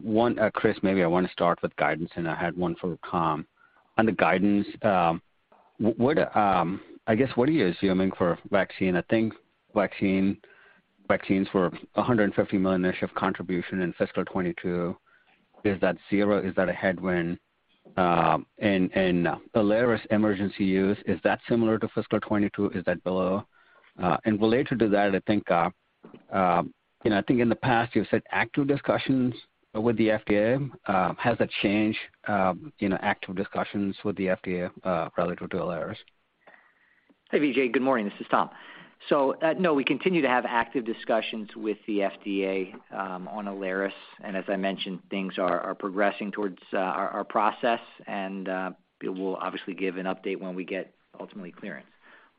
One, Chris, maybe I want to start with guidance, and I had one for Tom. On the guidance, I guess, what are you assuming for vaccines? I think vaccines were $150 million-ish of contribution in fiscal 2022. Is that zero? Is that a headwind? And Alaris emergency use, is that similar to fiscal 2022? Is that below? And related to that, you know, I think in the past you've said active discussions with the FDA. Has that changed, you know, active discussions with the FDA relative to Alaris? Hey, Vijay, good morning. This is Tom. No, we continue to have active discussions with the FDA on Alaris. As I mentioned, things are progressing towards our process, and we will obviously give an update when we get ultimately clearance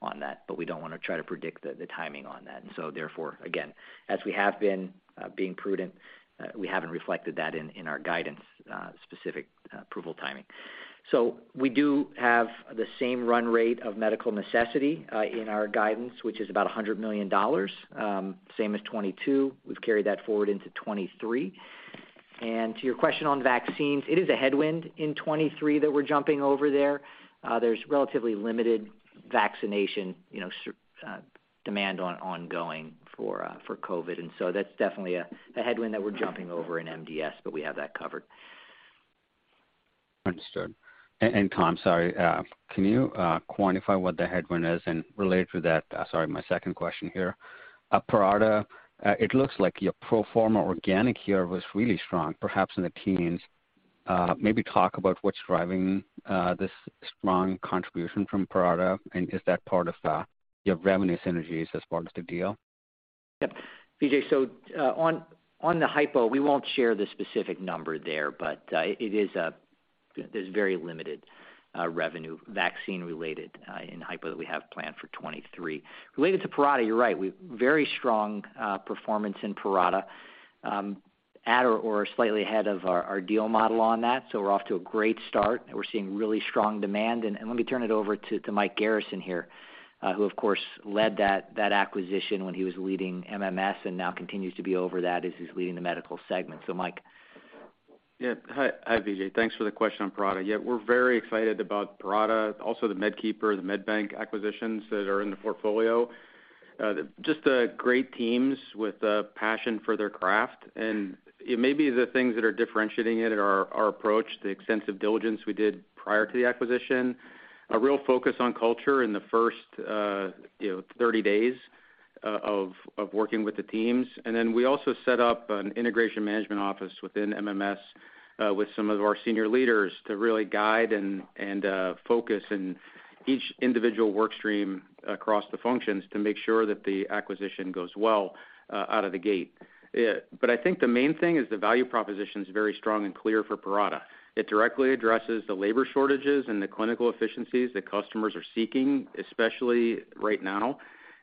on that, but we don't wanna try to predict the timing on that. Therefore, again, as we have been being prudent, we haven't reflected that in our guidance specific approval timing. We do have the same run rate of medical necessity in our guidance, which is about $100 million, same as 2022. We've carried that forward into 2023. To your question on vaccines, it is a headwind in 2023 that we're jumping over there. There's relatively limited vaccination, you know, certain ongoing demand for COVID. That's definitely a headwind that we're jumping over in MDS, but we have that covered. Understood. Tom, sorry, can you quantify what the headwind is? Related to that, sorry, my second question here. Parata, it looks like your pro forma organic here was really strong, perhaps in the teens. Maybe talk about what's driving this strong contribution from Parata, and is that part of your revenue synergies as part of the deal? Vijay, on the hypo, we won't share the specific number there, but there's very limited vaccine-related revenue in hypo that we have planned for 2023. Related to Parata, you're right. We've very strong performance in Parata at or slightly ahead of our deal model on that. We're off to a great start, and we're seeing really strong demand. Let me turn it over to Mike Garrison here, who of course led that acquisition when he was leading MMS and now continues to be over that as he's leading the medical segment. Mike. Yeah. Hi, Vijay. Thanks for the question on Parata. Yeah, we're very excited about Parata, also the MedKeeper, the Medbank acquisitions that are in the portfolio. Just great teams with a passion for their craft. It may be the things that are differentiating it are our approach, the extensive diligence we did prior to the acquisition, a real focus on culture in the first, you know, 30 days of working with the teams. Then we also set up an integration management office within MMS, with some of our senior leaders to really guide and focus in each individual work stream across the functions to make sure that the acquisition goes well, out of the gate. I think the main thing is the value proposition is very strong and clear for Parata. It directly addresses the labor shortages and the clinical efficiencies that customers are seeking, especially right now,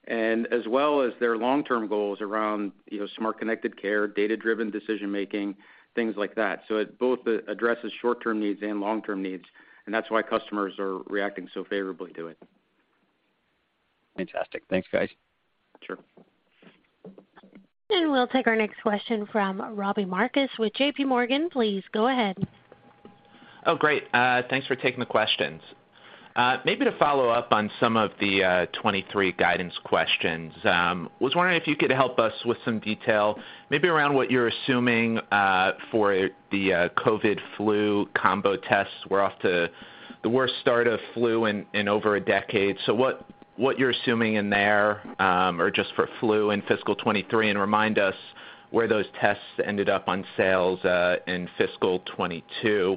and as well as their long-term goals around, you know, smart connected care, data-driven decision-making, things like that. It both addresses short-term needs and long-term needs, and that's why customers are reacting so favorably to it. Fantastic. Thanks, guys. Sure We'll take our next question from Robbie Marcus with J.P. Morgan. Please go ahead. Oh, great. Thanks for taking the questions. Maybe to follow up on some of the 2023 guidance questions. Was wondering if you could help us with some detail, maybe around what you're assuming for the COVID flu combo tests. We're off to the worst start of flu in over a decade. What you're assuming in there, or just for flu in fiscal 2023, and remind us where those tests ended up on sales in fiscal 2022.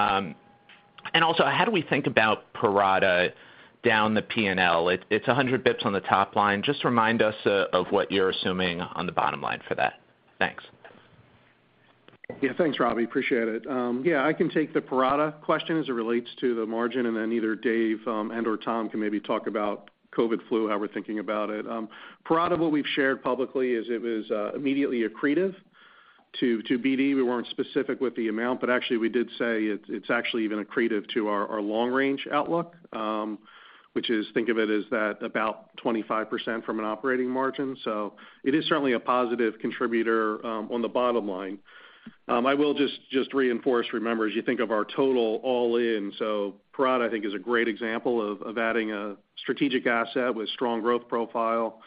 Also how do we think about Parata down the P&L? It's 100 basis points on the top line. Just remind us of what you're assuming on the bottom line for that. Thanks. Yeah, thanks, Robbie. Appreciate it. Yeah, I can take the Parata question as it relates to the margin, and then either Dave and/or Tom can maybe talk about COVID and flu, how we're thinking about it. Parata, what we've shared publicly is it was immediately accretive to BD. We weren't specific with the amount, but actually we did say it's actually even accretive to our long range outlook, which is think of it as about 25% from an operating margin. So it is certainly a positive contributor on the bottom line. I will just reinforce, remember, as you think of our total all in, so Parata I think is a great example of adding a strategic asset with strong growth profile,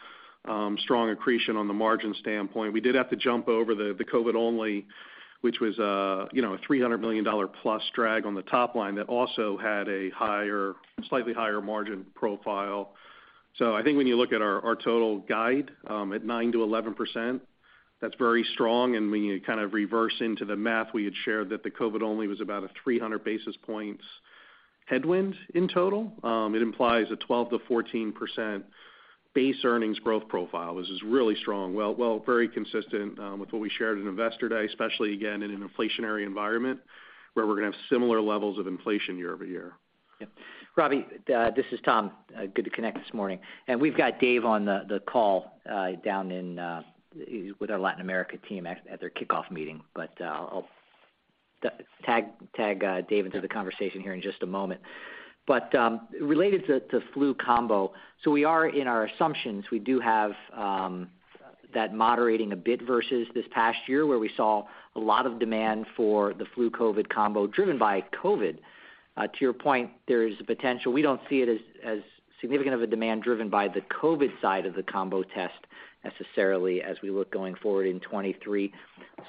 strong accretion from a margin standpoint. We did have to jump over the COVID-only, which was, you know, a $300 million+ drag on the top line that also had a slightly higher margin profile. I think when you look at our total guide at 9%-11%, that's very strong. When you kind of reverse into the math, we had shared that the COVID-only was about 300 basis points headwind in total. It implies a 12%-14% base earnings growth profile. This is really strong. Well, very consistent with what we shared in Investor Day, especially again, in an inflationary environment where we're gonna have similar levels of inflation quarter-over-quarter. Robbie, this is Tom. Good to connect this morning. We've got Dave on the call down in with our Latin America team at their kickoff meeting. I'll tag Dave into the conversation here in just a moment. Related to flu combo, we are in our assumptions. We do have that moderating a bit versus this past year where we saw a lot of demand for the flu COVID combo driven by COVID. To your point, there is a potential. We don't see it as significant of a demand driven by the COVID side of the combo test necessarily as we look going forward in 2023.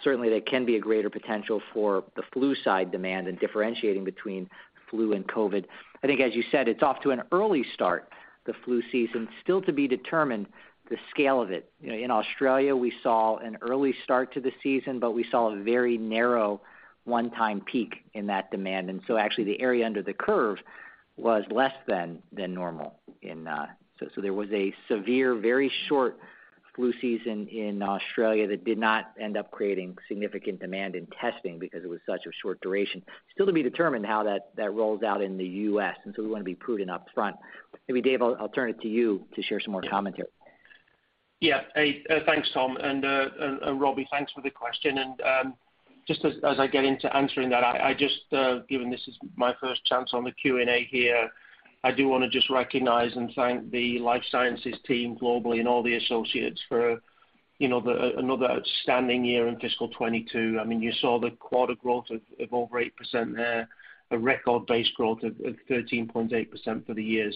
Certainly, there can be a greater potential for the flu side demand and differentiating between flu and COVID. I think as you said, it's off to an early start, the flu season. Still to be determined the scale of it. You know, in Australia we saw an early start to the season, but we saw a very narrow one-time peak in that demand. Actually the area under the curve was less than normal. So there was a severe, very short flu season in Australia that did not end up creating significant demand in testing because it was such a short duration. Still to be determined how that rolls out in the U.S., and so we wanna be prudent upfront. Maybe Dave, I'll turn it to you to share some more commentary. Yeah. Hey, thanks Tom. Robbie, thanks for the question. Just as I get into answering that, given this is my first chance on the Q&A here, I do wanna just recognize and thank the life sciences team globally and all the associates for, you know, another outstanding year in fiscal 2022. I mean, you saw the quarter growth of over 8% there, a record base growth of 13.88% for the year.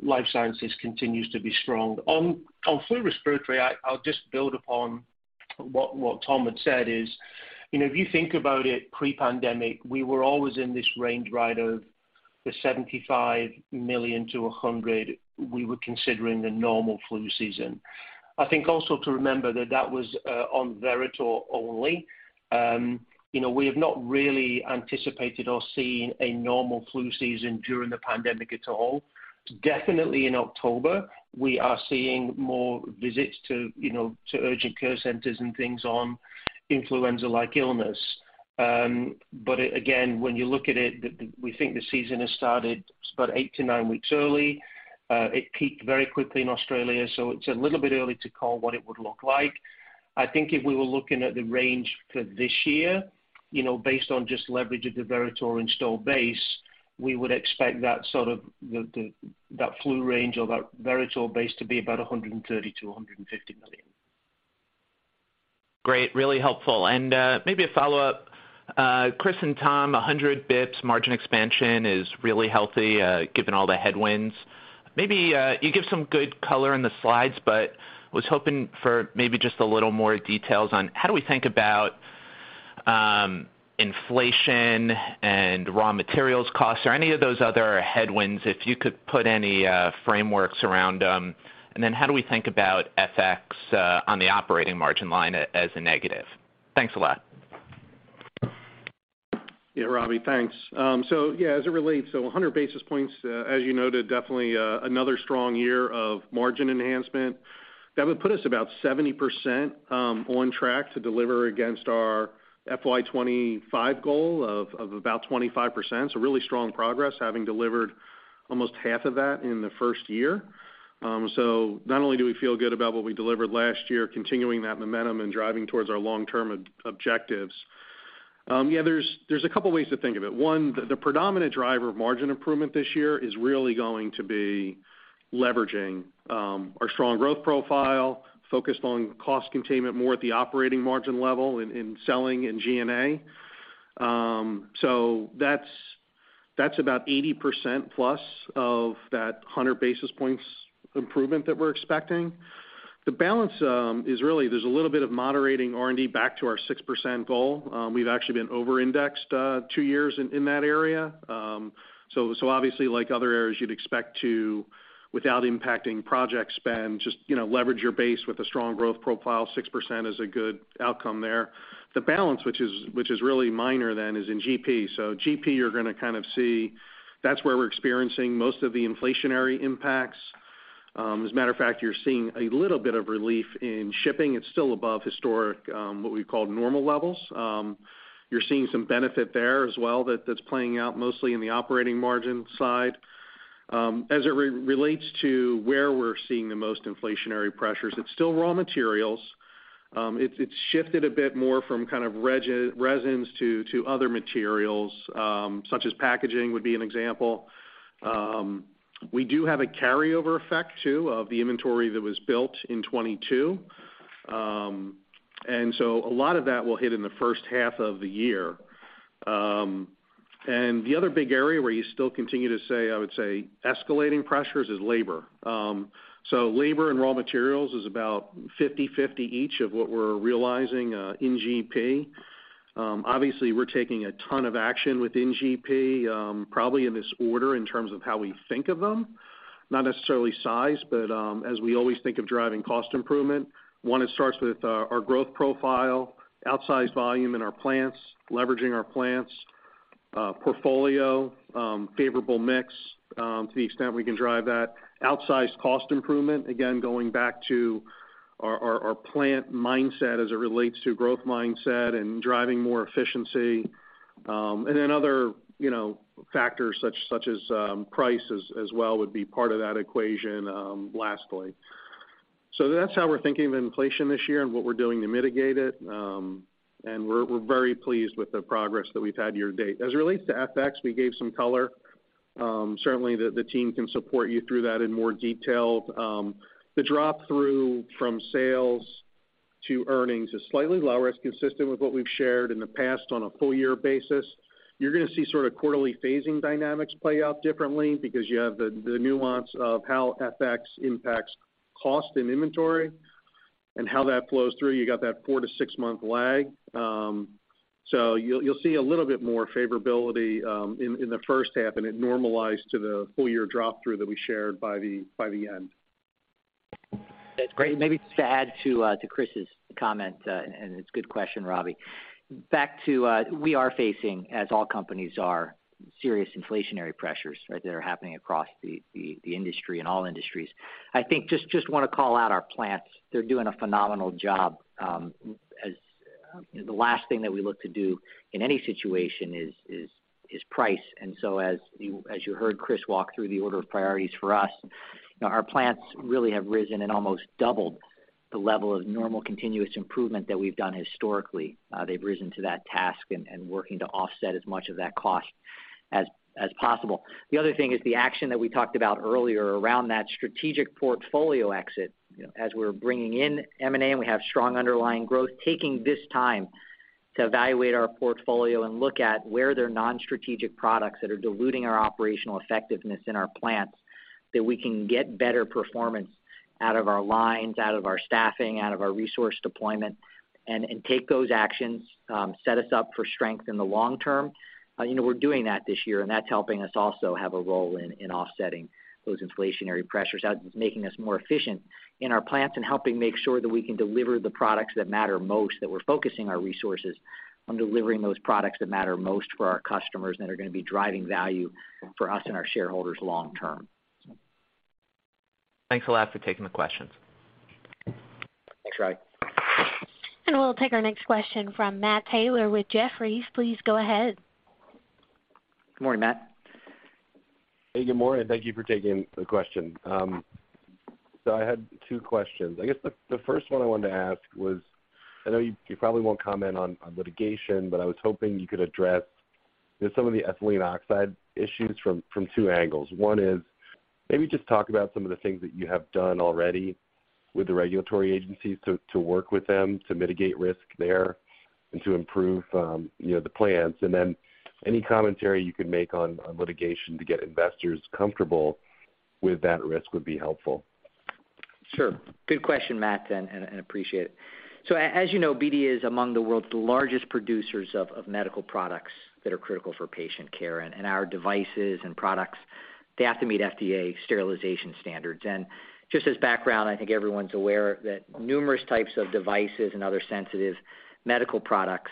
Life sciences continues to be strong. On flu respiratory, I'll just build upon what Tom had said is, you know, if you think about it pre-pandemic, we were always in this range right of The $75 million-$100 million, we were considering the normal flu season. I think also to remember that that was on Veritor only. You know, we have not really anticipated or seen a normal flu season during the pandemic at all. Definitely in October, we are seeing more visits to, you know, to urgent care centers and things on influenza-like illness. But again, when you look at it, we think the season has started about eight-nine weeks early. It peaked very quickly in Australia, so it's a little bit early to call what it would look like. I think if we were looking at the range for this year, you know, based on just leverage of the Veritor install base, we would expect that sort of that flu range or that Veritor base to be about $130 million-$150 million. Great, really helpful. Maybe a follow-up. Chris and Tom, 100 BPS margin expansion is really healthy, given all the headwinds. Maybe you give some good color in the slides, but was hoping for maybe just a little more details on how we think about inflation and raw materials costs or any of those other headwinds, if you could put any frameworks around them. Then how do we think about FX on the operating margin line as a negative? Thanks a lot. Yeah, Robbie, thanks. As it relates, 100 basis points, as you noted, definitely another strong year of margin enhancement. That would put us about 70% on track to deliver against our FY 2025 goal of about 25%. Really strong progress, having delivered almost half of that in the first year. Not only do we feel good about what we delivered last year, continuing that momentum and driving towards our long-term objectives. Yeah, there's a couple ways to think of it. One, the predominant driver of margin improvement this year is really going to be leveraging our strong growth profile, focused on cost containment more at the operating margin level in selling and G&A. That's about 80% plus of that 100 basis points improvement that we're expecting. The balance is really there's a little bit of moderating R&D back to our 6% goal. We've actually been over-indexed two years in that area. Obviously, like other areas, you'd expect to, without impacting project spend, just, you know, leverage your base with a strong growth profile, 6% is a good outcome there. The balance, which is really minor then, is in GP. GP, you're gonna kind of see that's where we're experiencing most of the inflationary impacts. As a matter of fact, you're seeing a little bit of relief in shipping. It's still above historic what we call normal levels. You're seeing some benefit there as well that's playing out mostly in the operating margin side. As it relates to where we're seeing the most inflationary pressures, it's still raw materials. It's shifted a bit more from kind of resins to other materials, such as packaging would be an example. We do have a carryover effect too of the inventory that was built in 2022. A lot of that will hit in the H1 of the year. The other big area where you still continue to see, I would say escalating pressures is labor. Labor and raw materials is about 50-50 each of what we're realizing in GP. Obviously, we're taking a ton of action within GP, probably in this order in terms of how we think of them, not necessarily size. As we always think of driving cost improvement, one, it starts with our growth profile, outsized volume in our plants, leveraging our plants portfolio, favorable mix, to the extent we can drive that. Outsized cost improvement, again, going back to our plant mindset as it relates to growth mindset and driving more efficiency. Other, you know, factors such as price as well would be part of that equation, lastly. That's how we're thinking of inflation this year and what we're doing to mitigate it. We're very pleased with the progress that we've had year to date. As it relates to FX, we gave some color. Certainly the team can support you through that in more detail. The drop through from sales to earnings is slightly lower. It's consistent with what we've shared in the past on a full year basis. You're gonna see sort of quarterly phasing dynamics play out differently because you have the nuance of how FX impacts cost and inventory and how that flows through. You got that four to six month lag. So you'll see a little bit more favorability in the H1, and it normalized to the full year drop through that we shared by the end. That's great. Maybe just to add to Chris's comment, and it's a good question, Robbie. Back to, we are facing, as all companies are, serious inflationary pressures, right? That are happening across the industry and all industries. I think just wanna call out our plants. They're doing a phenomenal job. As the last thing that we look to do in any situation is price. As you heard Chris walk through the order of priorities for us, you know, our plants really have risen and almost doubled the level of normal continuous improvement that we've done historically. They've risen to that task and working to offset as much of that cost. The other thing is the action that we talked about earlier around that strategic portfolio exit. As we're bringing in M&A, and we have strong underlying growth, taking this time to evaluate our portfolio and look at where there are non-strategic products that are diluting our operational effectiveness in our plants that we can get better performance out of our lines, out of our staffing, out of our resource deployment, and take those actions set us up for strength in the long term. You know, we're doing that this year, and that's helping us also have a role in offsetting those inflationary pressures out, making us more efficient in our plants and helping make sure that we can deliver the products that matter most, that we're focusing our resources on delivering those products that matter most for our customers that are gonna be driving value for us and our shareholders long term. Thanks a lot for taking the questions. Thanks, Robbie Marcus. We'll take our next question from Matt Taylor with Jefferies. Please go ahead. Good morning, Matt. Hey, good morning. Thank you for taking the question. So I had two questions. I guess the first one I wanted to ask was, I know you probably won't comment on litigation, but I was hoping you could address, you know, some of the ethylene oxide issues from two angles. One is maybe just talk about some of the things that you have done already with the regulatory agencies to work with them to mitigate risk there and to improve, you know, the plans. Then any commentary you could make on litigation to get investors comfortable with that risk would be helpful. Sure. Good question, Matt, and appreciate it. So as you know, BD is among the world's largest producers of medical products that are critical for patient care. In our devices and products, they have to meet FDA sterilization standards. Just as background, I think everyone's aware that numerous types of devices and other sensitive medical products,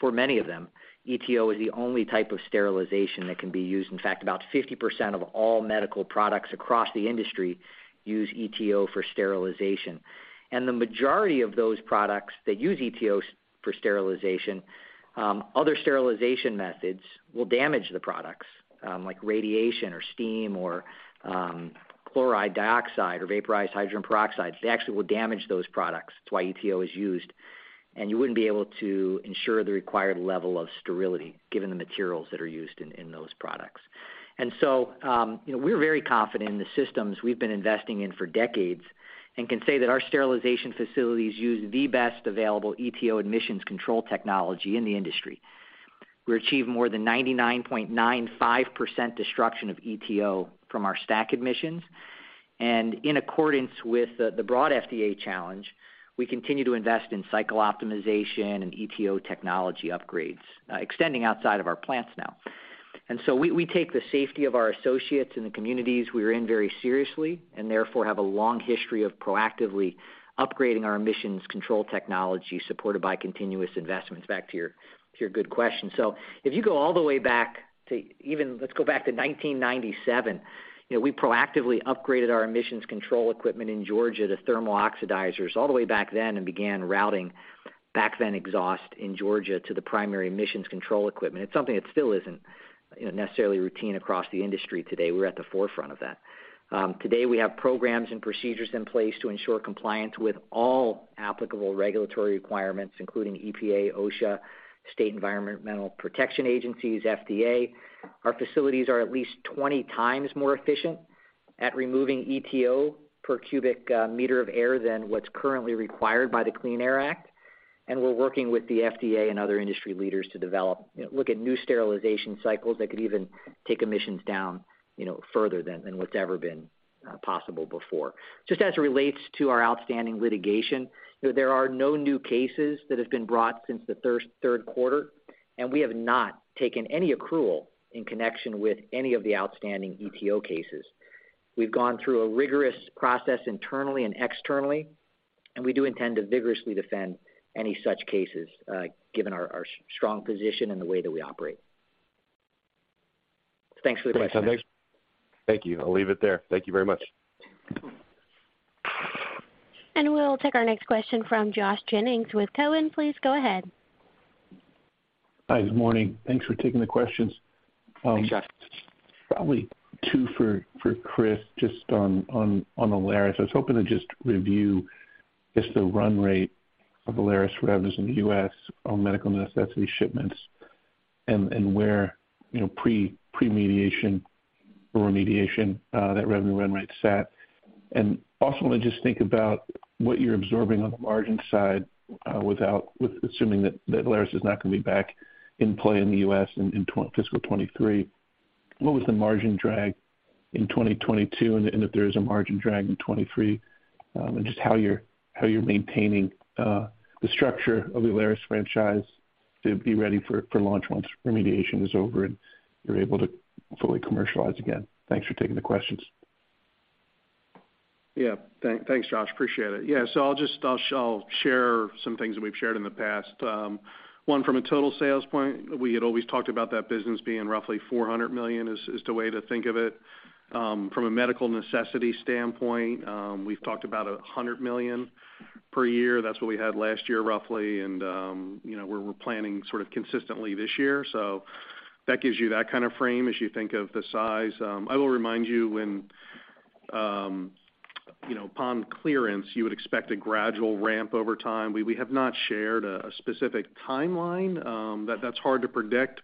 for many of them, ETO is the only type of sterilization that can be used. In fact, about 50% of all medical products across the industry use ETO for sterilization. The majority of those products that use ETO for sterilization, other sterilization methods will damage the products, like radiation or steam, chlorine dioxide or vaporized hydrogen peroxide. They actually will damage those products. That's why ETO is used. You wouldn't be able to ensure the required level of sterility given the materials that are used in those products. You know, we're very confident in the systems we've been investing in for decades and can say that our sterilization facilities use the best available ETO emissions control technology in the industry. We achieve more than 99.95% destruction of ETO from our stack emissions. In accordance with the broad FDA challenge, we continue to invest in cycle optimization and ETO technology upgrades, extending outside of our plants now. We take the safety of our associates in the communities we are in very seriously, and therefore have a long history of proactively upgrading our emissions control technology supported by continuous investments, back to your good question. Let's go back to 1997, you know, we proactively upgraded our emissions control equipment in Georgia to thermal oxidizers all the way back then and began routing back then exhaust in Georgia to the primary emissions control equipment. It's something that still isn't, you know, necessarily routine across the industry today. We're at the forefront of that. Today we have programs and procedures in place to ensure compliance with all applicable regulatory requirements, including EPA, OSHA, state environmental protection agencies, FDA. Our facilities are at least 20 times more efficient at removing ETO per cubic meter of air than what's currently required by the Clean Air Act, and we're working with the FDA and other industry leaders to develop, you know, look at new sterilization cycles that could even take emissions down, you know, further than what's ever been possible before. Just as it relates to our outstanding litigation, you know, there are no new cases that have been brought since the Q3, and we have not taken any accrual in connection with any of the outstanding ETO cases. We've gone through a rigorous process internally and externally, and we do intend to vigorously defend any such cases, given our strong position and the way that we operate. Thanks for the question. Thanks. Thank you. I'll leave it there. Thank you very much. We'll take our next question from Josh Jennings with Cowen. Please go ahead. Hi, good morning. Thanks for taking the questions. Thanks, Josh. Probably two for Chris just on Alaris. I was hoping to just review just the run rate of Alaris revenues in the U.S. on medical necessity shipments and where, you know, pre-remediation, that revenue run rate sat. Also want to just think about what you're absorbing on the margin side, with assuming that that Alaris is not gonna be back in play in the U.S. in fiscal 2023. What was the margin drag in 2022, and if there is a margin drag in 2023, and just how you're maintaining the structure of the Alaris franchise to be ready for launch once remediation is over and you're able to fully commercialize again. Thanks for taking the questions. Thanks, Josh. Appreciate it. Yeah. I'll share some things that we've shared in the past. One, from a total sales point, we had always talked about that business being roughly $400 million is the way to think of it. From a medical necessity standpoint, we've talked about $100 million per year. That's what we had last year, roughly. You know, we're planning sort of consistently this year. That gives you that kind of frame as you think of the size. I will remind you when You know, upon clearance, you would expect a gradual ramp over time. We have not shared a specific timeline, that's hard to predict.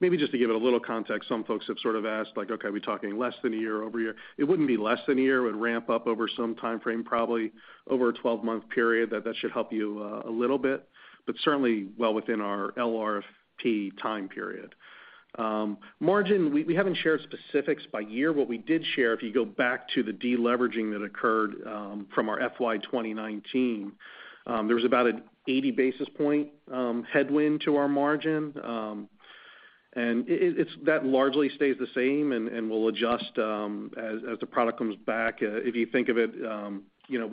Maybe just to give it a little context, some folks have sort of asked, like, okay, are we talking less than a year, over a year? It wouldn't be less than a year. It would ramp up over some timeframe, probably over a 12-month period. That should help you a little bit, but certainly well within our LRP time period. Margin, we haven't shared specifics by year. What we did share, if you go back to the de-leveraging that occurred from our FY 2019, there was about an 80 basis points headwind to our margin. That largely stays the same, and we'll adjust as the product comes back. If you think of it, you know,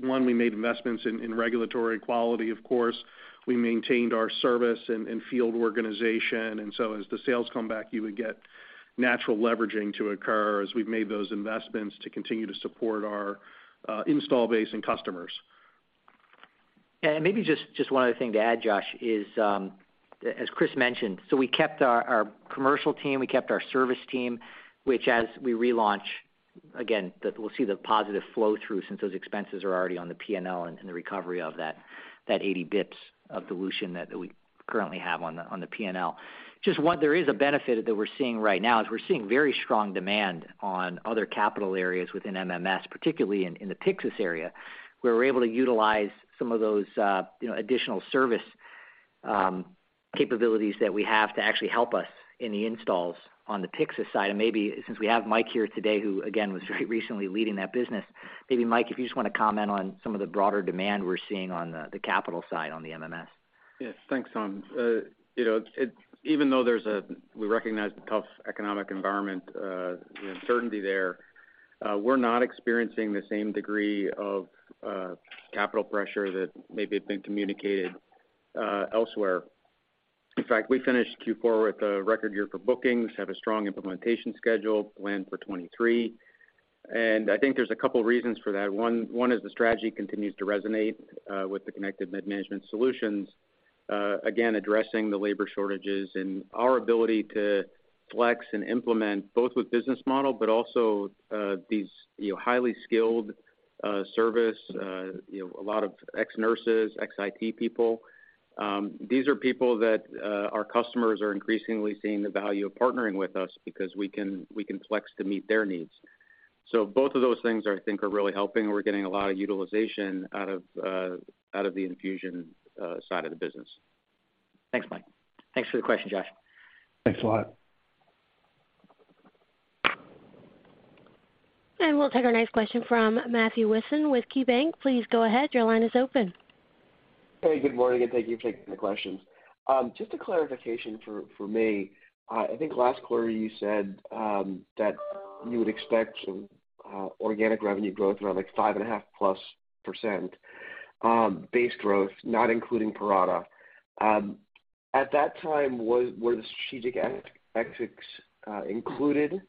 one, we made investments in regulatory quality, of course. We maintained our service and field organization. As the sales come back, you would get natural leveraging to occur as we've made those investments to continue to support our installed base and customers. Maybe just one other thing to add, Josh, is, as Chris mentioned, we kept our commercial team, we kept our service team, which as we relaunch, we'll see the positive flow through since those expenses are already on the P&L and the recovery of that 80 basis points of dilution that we currently have on the P&L. There is a benefit that we're seeing right now, we're seeing very strong demand on other capital areas within MMS, particularly in the Pyxis area, where we're able to utilize some of those additional service capabilities that we have to actually help us in the installs on the Pyxis side. Maybe since we have Mike here today, who again was very recently leading that business, maybe Mike, if you just wanna comment on some of the broader demand we're seeing on the capital side on the MMS. Yes. Thanks, Tom. You know, even though we recognize the tough economic environment, the uncertainty there, we're not experiencing the same degree of capital pressure that maybe had been communicated elsewhere. In fact, we finished Q4 with a record year for bookings, have a strong implementation schedule planned for 2023, and I think there's a couple reasons for that. One is the strategy continues to resonate with the connected med management solutions, again, addressing the labor shortages and our ability to flex and implement both with business model but also these, you know, highly skilled service, you know, a lot of ex-nurses, ex-IT people. These are people that our customers are increasingly seeing the value of partnering with us because we can flex to meet their needs. Both of those things I think are really helping. We're getting a lot of utilization out of the infusion side of the business. Thanks, Mike. Thanks for the question, Josh. Thanks a lot. We'll take our next question from Matthew Mishan with KeyBanc Capital Markets. Please go ahead. Your line is open. Hey, good morning, and thank you for taking the questions. Just a clarification for me. I think last quarter you said that you would expect some organic revenue growth around, like, 5.5%+ base growth, not including Parata. At that time, were the strategic exits included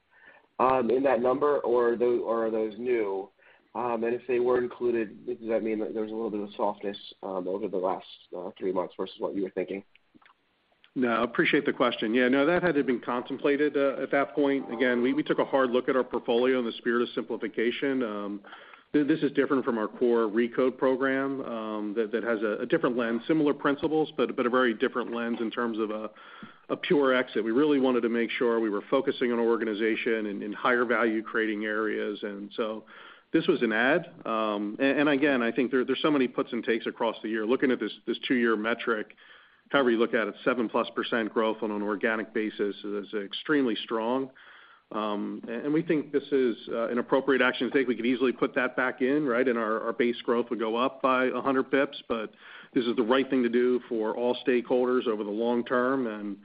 in that number, or are those new? If they were included, does that mean that there's a little bit of softness over the last three months versus what you were thinking? No, I appreciate the question. Yeah, no, that hadn't been contemplated at that point. Again, we took a hard look at our portfolio in the spirit of simplification. This is different from our core RECODE program that has a different lens. Similar principles, but a very different lens in terms of a pure exit. We really wanted to make sure we were focusing on organization and in higher value-creating areas. This was an add. Again, I think there's so many puts and takes across the year. Looking at this two-year metric, however you look at it, 7%+ growth on an organic basis is extremely strong. We think this is an appropriate action to take. We could easily put that back in, right? Our base growth would go up by 100 basis points. This is the right thing to do for all stakeholders over the long term, and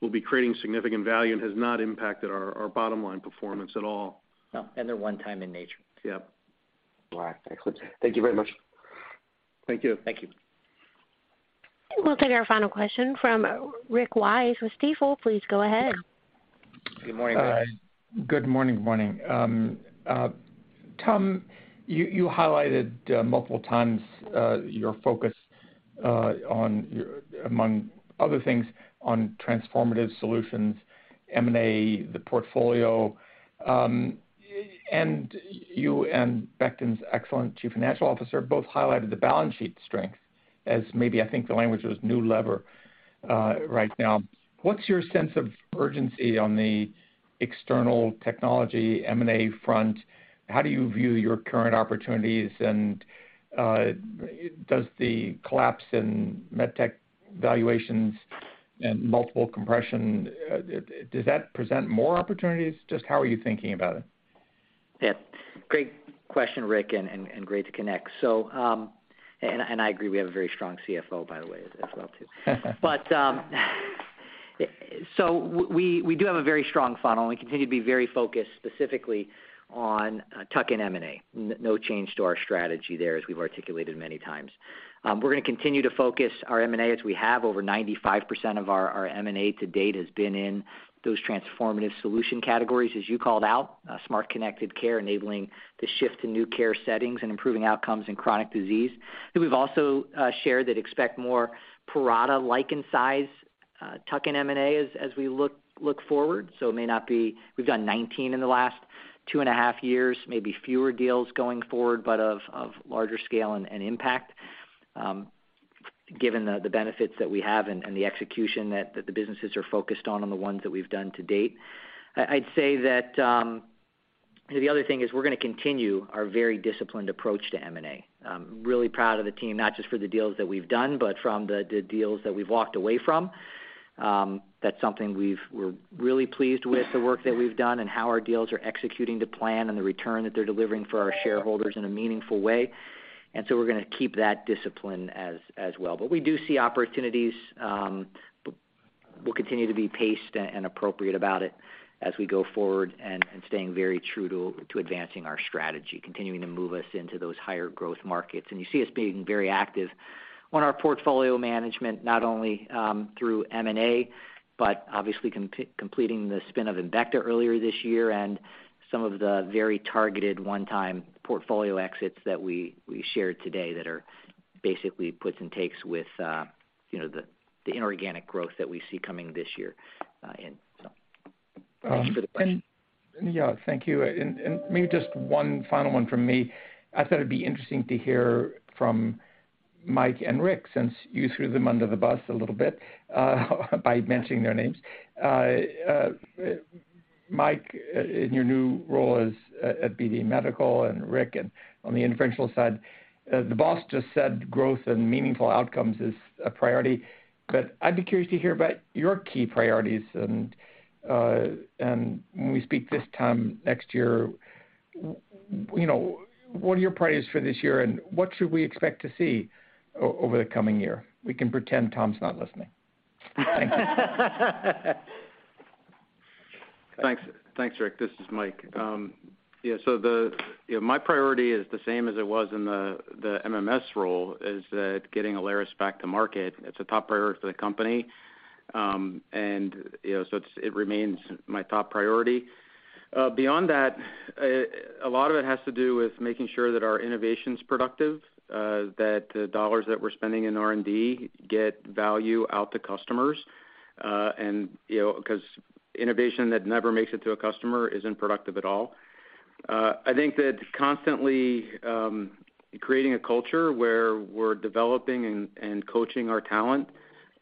we'll be creating significant value, and has not impacted our bottom line performance at all. No. They're one time in nature. Yep. All right. Excellent. Thank you very much. Thank you. Thank you. We'll take our final question from Rick Wise with Stifel. Please go ahead. Good morning, Rick. Good morning. Tom, you highlighted multiple times your focus among other things on transformative solutions, M&A, the portfolio. You and Becton's excellent chief financial officer both highlighted the balance sheet strength as maybe I think the language was new lever right now. What's your sense of urgency on the external technology M&A front? How do you view your current opportunities? Does the collapse in med tech valuations and multiple compression, does that present more opportunities? Just how are you thinking about it? Yeah. Great question, Rick, and great to connect. I agree, we have a very strong CFO, by the way, as well too. We do have a very strong funnel, and we continue to be very focused specifically on tuck-in M&A. No change to our strategy there, as we've articulated many times. We're gonna continue to focus our M&A as we have. Over 95% of our M&A to date has been in those transformative solution categories, as you called out, smart connected care enabling the shift to new care settings and improving outcomes in chronic disease. I think we've also shared that expect more Parata-like in size, tuck in M&A as we look forward. It may not be. We've done 19 in the last two and a half years, maybe fewer deals going forward, but of larger scale and impact, given the benefits that we have and the execution that the businesses are focused on on the ones that we've done to date. I'd say that the other thing is we're gonna continue our very disciplined approach to M&A. I'm really proud of the team, not just for the deals that we've done, but from the deals that we've walked away from. That's something we're really pleased with the work that we've done and how our deals are executing to plan and the return that they're delivering for our shareholders in a meaningful way. We're gonna keep that discipline as well. We do see opportunities, we'll continue to be paced and appropriate about it as we go forward and staying very true to advancing our strategy, continuing to move us into those higher growth markets. You see us being very active on our portfolio management, not only through M&A, but obviously completing the spin of Embecta earlier this year and some of the very targeted one-time portfolio exits that we shared today that are basically puts and takes with, you know, the inorganic growth that we see coming this year. Thank you for the question. Thank you. Maybe just one final one from me. I thought it'd be interesting to hear from Mike Garrison and Rick Byrd, since you threw them under the bus a little bit by mentioning their names. Mike Garrison, in your new role at BD Medical and Rick Byrd on the interventional side, the boss just said growth and meaningful outcomes is a priority. I'd be curious to hear about your key priorities and when we speak this time next year, you know, what are your priorities for this year, and what should we expect to see over the coming year. We can pretend Tom Polen's not listening. Thanks. Thanks, Rick. This is Mike. Yeah, my priority is the same as it was in the MMS role, is that getting Alaris back to market. It's a top priority for the company, and, you know, it remains my top priority. Beyond that, a lot of it has to do with making sure that our innovation's productive, that the dollars that we're spending in R&D get value out to customers, and, you know, 'cause innovation that never makes it to a customer isn't productive at all. I think that constantly creating a culture where we're developing and coaching our talent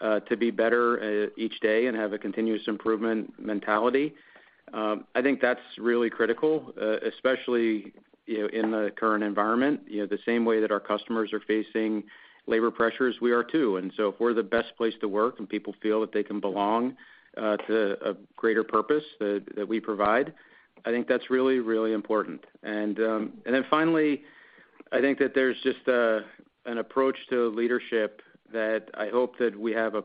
to be better each day and have a continuous improvement mentality, I think that's really critical, especially, you know, in the current environment. You know, the same way that our customers are facing labor pressures, we are too. If we're the best place to work and people feel that they can belong to a greater purpose that we provide, I think that's really, really important. Finally, I think that there's just an approach to leadership that I hope that we have a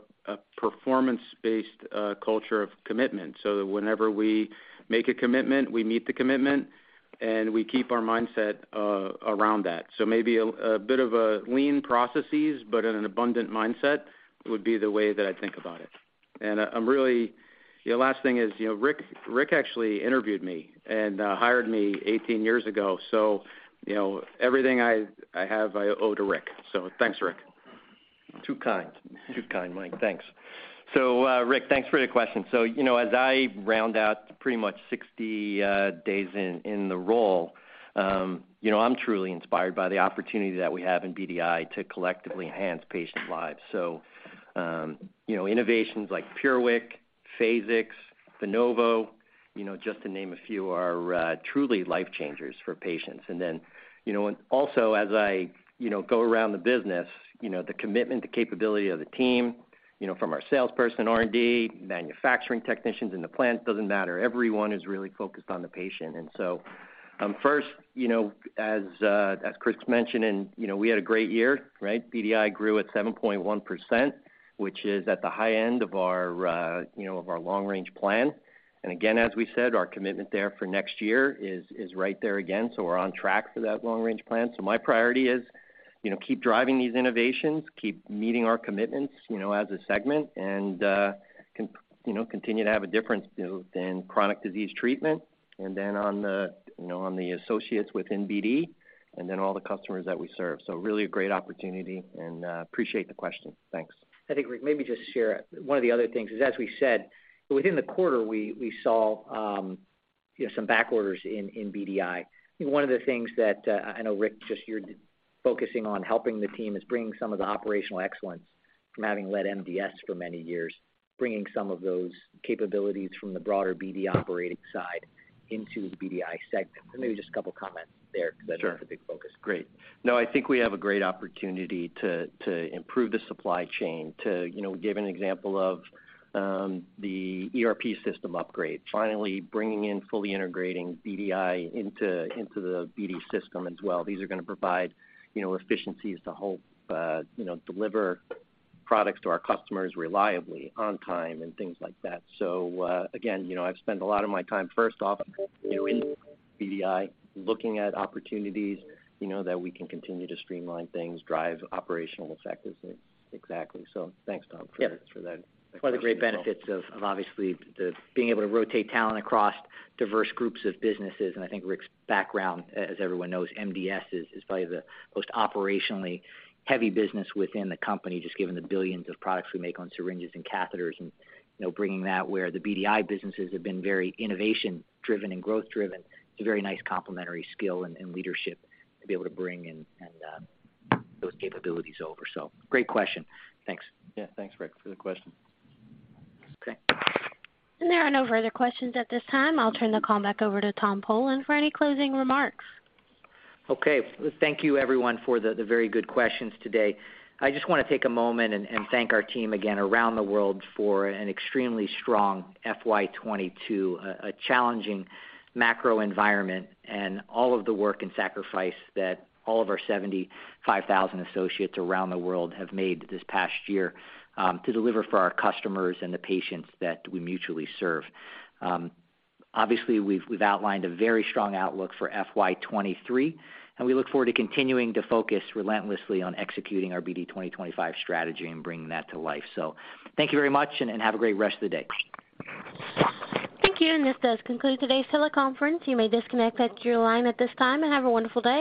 performance-based culture of commitment, so that whenever we make a commitment, we meet the commitment, and we keep our mindset around that. Maybe a bit of a lean processes, but in an abundant mindset would be the way that I think about it. The last thing is, you know, Rick actually interviewed me and hired me 18 years ago, so you know, everything I have, I owe to Rick. Thanks, Rick. Too kind. Too kind, Mike. Thanks. Rick, thanks for the question. You know, as I round out pretty much 60 days in the role, you know, I'm truly inspired by the opportunity that we have in BDI to collectively enhance patient lives. You know, innovations like PureWick, Phasix, Venovo, you know, just to name a few, are truly life changers for patients. You know, and also as I, you know, go around the business, you know, the commitment, the capability of the team, you know, from our salesperson, R&D, manufacturing technicians in the plant, doesn't matter. Everyone is really focused on the patient. First, you know, as Chris mentioned, and, you know, we had a great year, right? BDI grew at 7.1%, which is at the high end of our, you know, of our Long-Range Plan. Again, as we said, our commitment there for next year is right there again. We're on track for that Long-Range Plan. My priority is, you know, keep driving these innovations, keep meeting our commitments, you know, as a segment and, you know, continue to have a difference, you know, in chronic disease treatment and then on the, you know, on the associates within BD and then all the customers that we serve. Really a great opportunity and, appreciate the question. Thanks. I think, Rick, maybe just share one of the other things is, as we said, within the quarter, we saw, you know, some back orders in BDI. You know, one of the things that, I know Rick, just you're focusing on helping the team is bringing some of the operational excellence from having led MDS for many years, bringing some of those capabilities from the broader BD operating side into the BDI segment. Maybe just a couple of comments there. Sure. Because that's a big focus. Great. No, I think we have a great opportunity to improve the supply chain, you know, give an example of the ERP system upgrade, finally bringing in, fully integrating BDI into the BD system as well. These are gonna provide, you know, efficiencies to help, you know, deliver products to our customers reliably, on time, and things like that. Again, you know, I've spent a lot of my time, first off, you know, in BDI, looking at opportunities, you know, that we can continue to streamline things, drive operational effectiveness. Exactly. Thanks, Tom, for that. Yeah. One of the great benefits of obviously the being able to rotate talent across diverse groups of businesses. I think Rick's background, as everyone knows, MDS is probably the most operationally heavy business within the company, just given the billions of products we make on syringes and catheters and, you know, bringing that where the BDI businesses have been very innovation-driven and growth-driven. It's a very nice complementary skill and leadership to be able to bring and those capabilities over. Great question. Thanks. Yeah. Thanks, Rick, for the question. Okay. There are no further questions at this time. I'll turn the call back over to Tom Polen for any closing remarks. Okay. Thank you everyone for the very good questions today. I just wanna take a moment and thank our team again around the world for an extremely strong FY 22, a challenging macro environment and all of the work and sacrifice that all of our 75,000 associates around the world have made this past year, to deliver for our customers and the patients that we mutually serve. Obviously, we've outlined a very strong outlook for FY 23, and we look forward to continuing to focus relentlessly on executing our BD 2025 strategy and bringing that to life. Thank you very much and have a great rest of the day. Thank you. This does conclude today's teleconference. You may disconnect your line at this time and have a wonderful day.